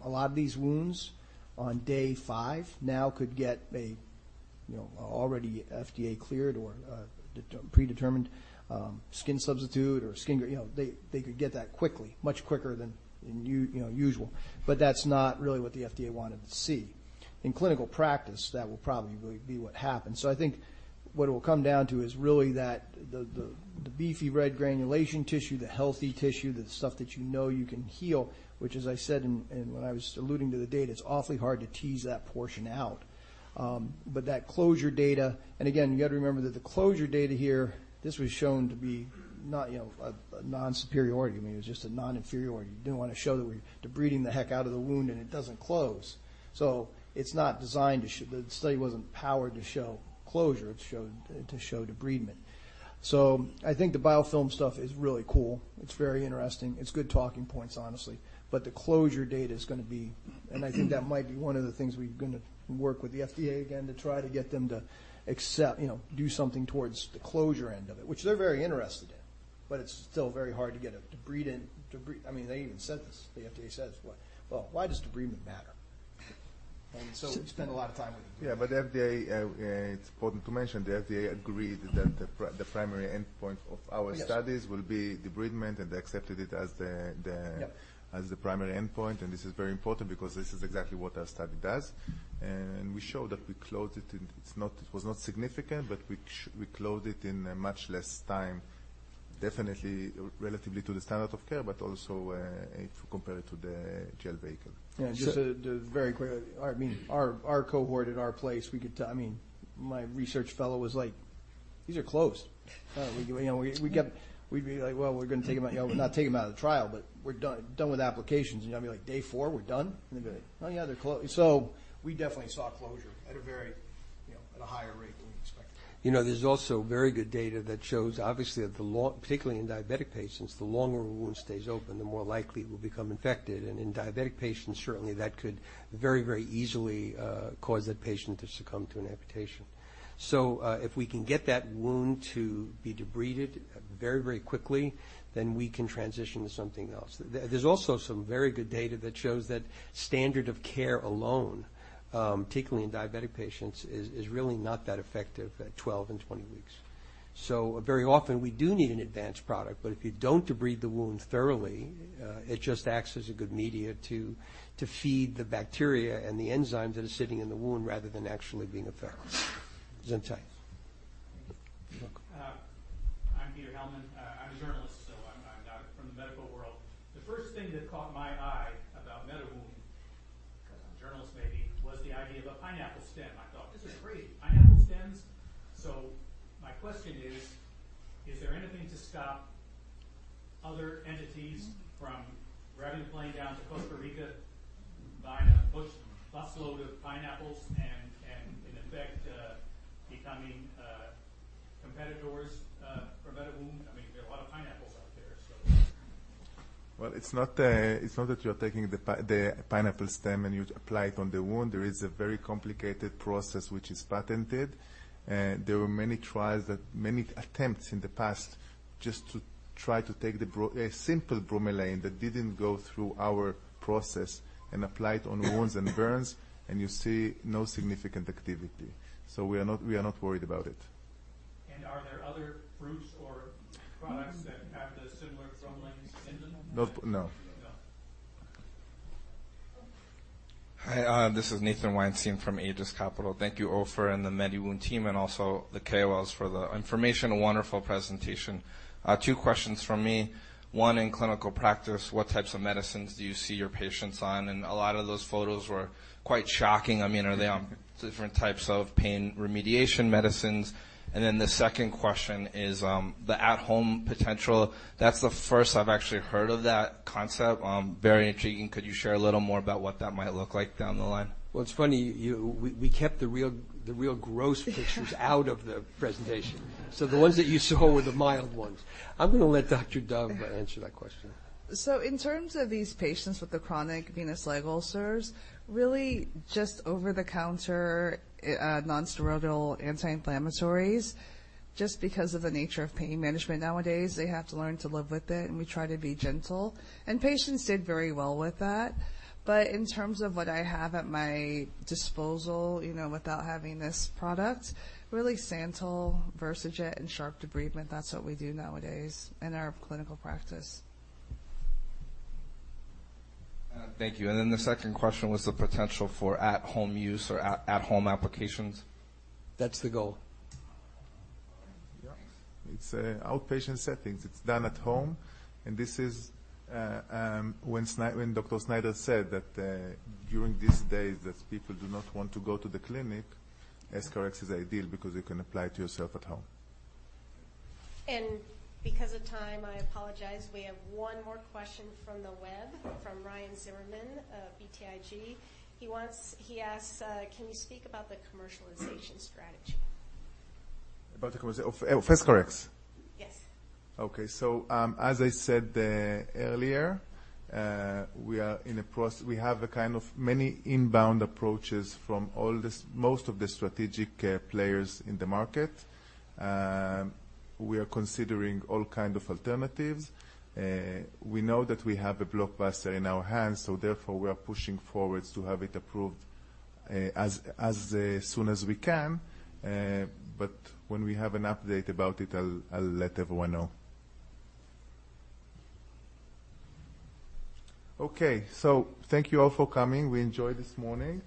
a lot of these wounds on day five now could get a you know a already FDA-cleared or a predetermined skin substitute or skin you know they could get that quickly, much quicker than usual. That's not really what the FDA wanted to see. In clinical practice, that will probably be what happens. I think what it will come down to is really that the beefy red granulation tissue, the healthy tissue, the stuff that you know you can heal, which as I said when I was alluding to the data, it's awfully hard to tease that portion out. But that closure data, and again, you gotta remember that the closure data here, this was shown to be not you know a non-inferiority. I mean, it was just a non-inferiority. You didn't wanna show that we're debriding the heck out of the wound, and it doesn't close. It's not designed to. The study wasn't powered to show closure. It's to show debridement. I think the biofilm stuff is really cool. It's very interesting. It's good talking points, honestly. The closure data is gonna be, and I think that might be one of the things we're gonna work with the FDA again to try to get them to accept, you know, do something towards the closure end of it, which they're very interested in. It's still very hard to get a debriding. I mean, they even said this. The FDA says, "What? Well, why does debridement matter?" We spent a lot of time with them. Yeah, FDA, it's important to mention, the FDA agreed that the primary endpoint of our studies. Yes. Will be debridement, and they accepted it as the, as the primary endpoint. This is very important because this is exactly what our study does. We show that we closed it in, it's not, it was not significant, but we closed it in a much less time, definitely relatively to the standard of care, but also, if we compare it to the gel vehicle. Yeah. So- Just to very quickly, I mean, our cohort at our place, I mean, my research fellow was like, "These are closed." You know, we'd be like, "Well, we're gonna take them out, you know, not take them out of the trial, but we're done with applications." You know what I mean? Like, day four, we're done. They'd be like, "Oh yeah, they're closed." We definitely saw closure at a very, you know, at a higher rate than we expected. You know, there's also very good data that shows obviously that particularly in diabetic patients, the longer a wound stays open, the more likely it will become infected. In diabetic patients, certainly that could very, very easily cause that patient to succumb to an amputation. If we can get that wound to be debrided very, very quickly, then we can transition to something else. There's also some very good data that shows that standard of care alone, particularly in diabetic patients, is really not that effective at 12 and 20 weeks. Very often, we do need an advanced product, but if you don't debride the wound thoroughly, it just acts as a good medium to feed the bacteria and the enzymes that are sitting in the wound rather than actually being effective. Zentais. I'm Peter Hellman. I'm a journalist, so I'm not from the medical world. The first thing that caught my eye about MediWound, 'cause I'm a journalist maybe, was the idea of a pineapple stem. I thought, "This is great. Pineapple stems?" My question is there anything to stop other entities from grabbing a plane down to Costa Rica, buying a busload of pineapples, and in effect, becoming competitors for MediWound? I mean, there are a lot of pineapples out there. Well, it's not that you're taking the pineapple stem, and you apply it on the wound. There is a very complicated process which is patented. There were many trials, many attempts in the past just to try to take a simple bromelain that didn't go through our process and apply it on wounds and burns, and you see no significant activity. We are not worried about it. Are there other fruits or products that have the similar Bromelain enzyme in them? No. Hi. This is Nathan Weinstein from Aegis Capital. Thank you, Ofer and the MediWound team and also the KOLs for the information. A wonderful presentation. Two questions from me. One, in clinical practice, what types of medicines do you see your patients on? A lot of those photos were quite shocking. I mean, are they on different types of pain remediation medicines? The second question is, the at-home potential. That's the first I've actually heard of that concept. Very intriguing. Could you share a little more about what that might look like down the line? Well, it's funny, we kept the real gross pictures out of the presentation. The ones that you saw were the mild ones. I'm gonna let Dr. Dove answer that question. In terms of these patients with the chronic venous leg ulcers, really just over-the-counter non-steroidal anti-inflammatories, just because of the nature of pain management nowadays. They have to learn to live with it, and we try to be gentle. Patients did very well with that. In terms of what I have at my disposal, you know, without having this product, really Santyl, Versajet, and sharp debridement, that's what we do nowadays in our clinical practice. Thank you. The second question was the potential for at-home use or at-home applications. That's the goal. It's outpatient settings. It's done at home, and this is when Dr. Snyder said that during these days that people do not want to go to the clinic, EscharEx is ideal because you can apply it to yourself at home. Because of time, I apologize. We have one more question from the web, from Ryan Zimmerman of BTIG. He wants. He asks, "Can you speak about the commercialization strategy? About the commercial of EscharEx? Yes. Okay. As I said earlier, we have a kind of many inbound approaches from most of the strategic players in the market. We are considering all kind of alternatives. We know that we have a blockbuster in our hands, so therefore we are pushing forward to have it approved as soon as we can. But when we have an update about it, I'll let everyone know. Okay, thank you all for coming. We enjoy this morning.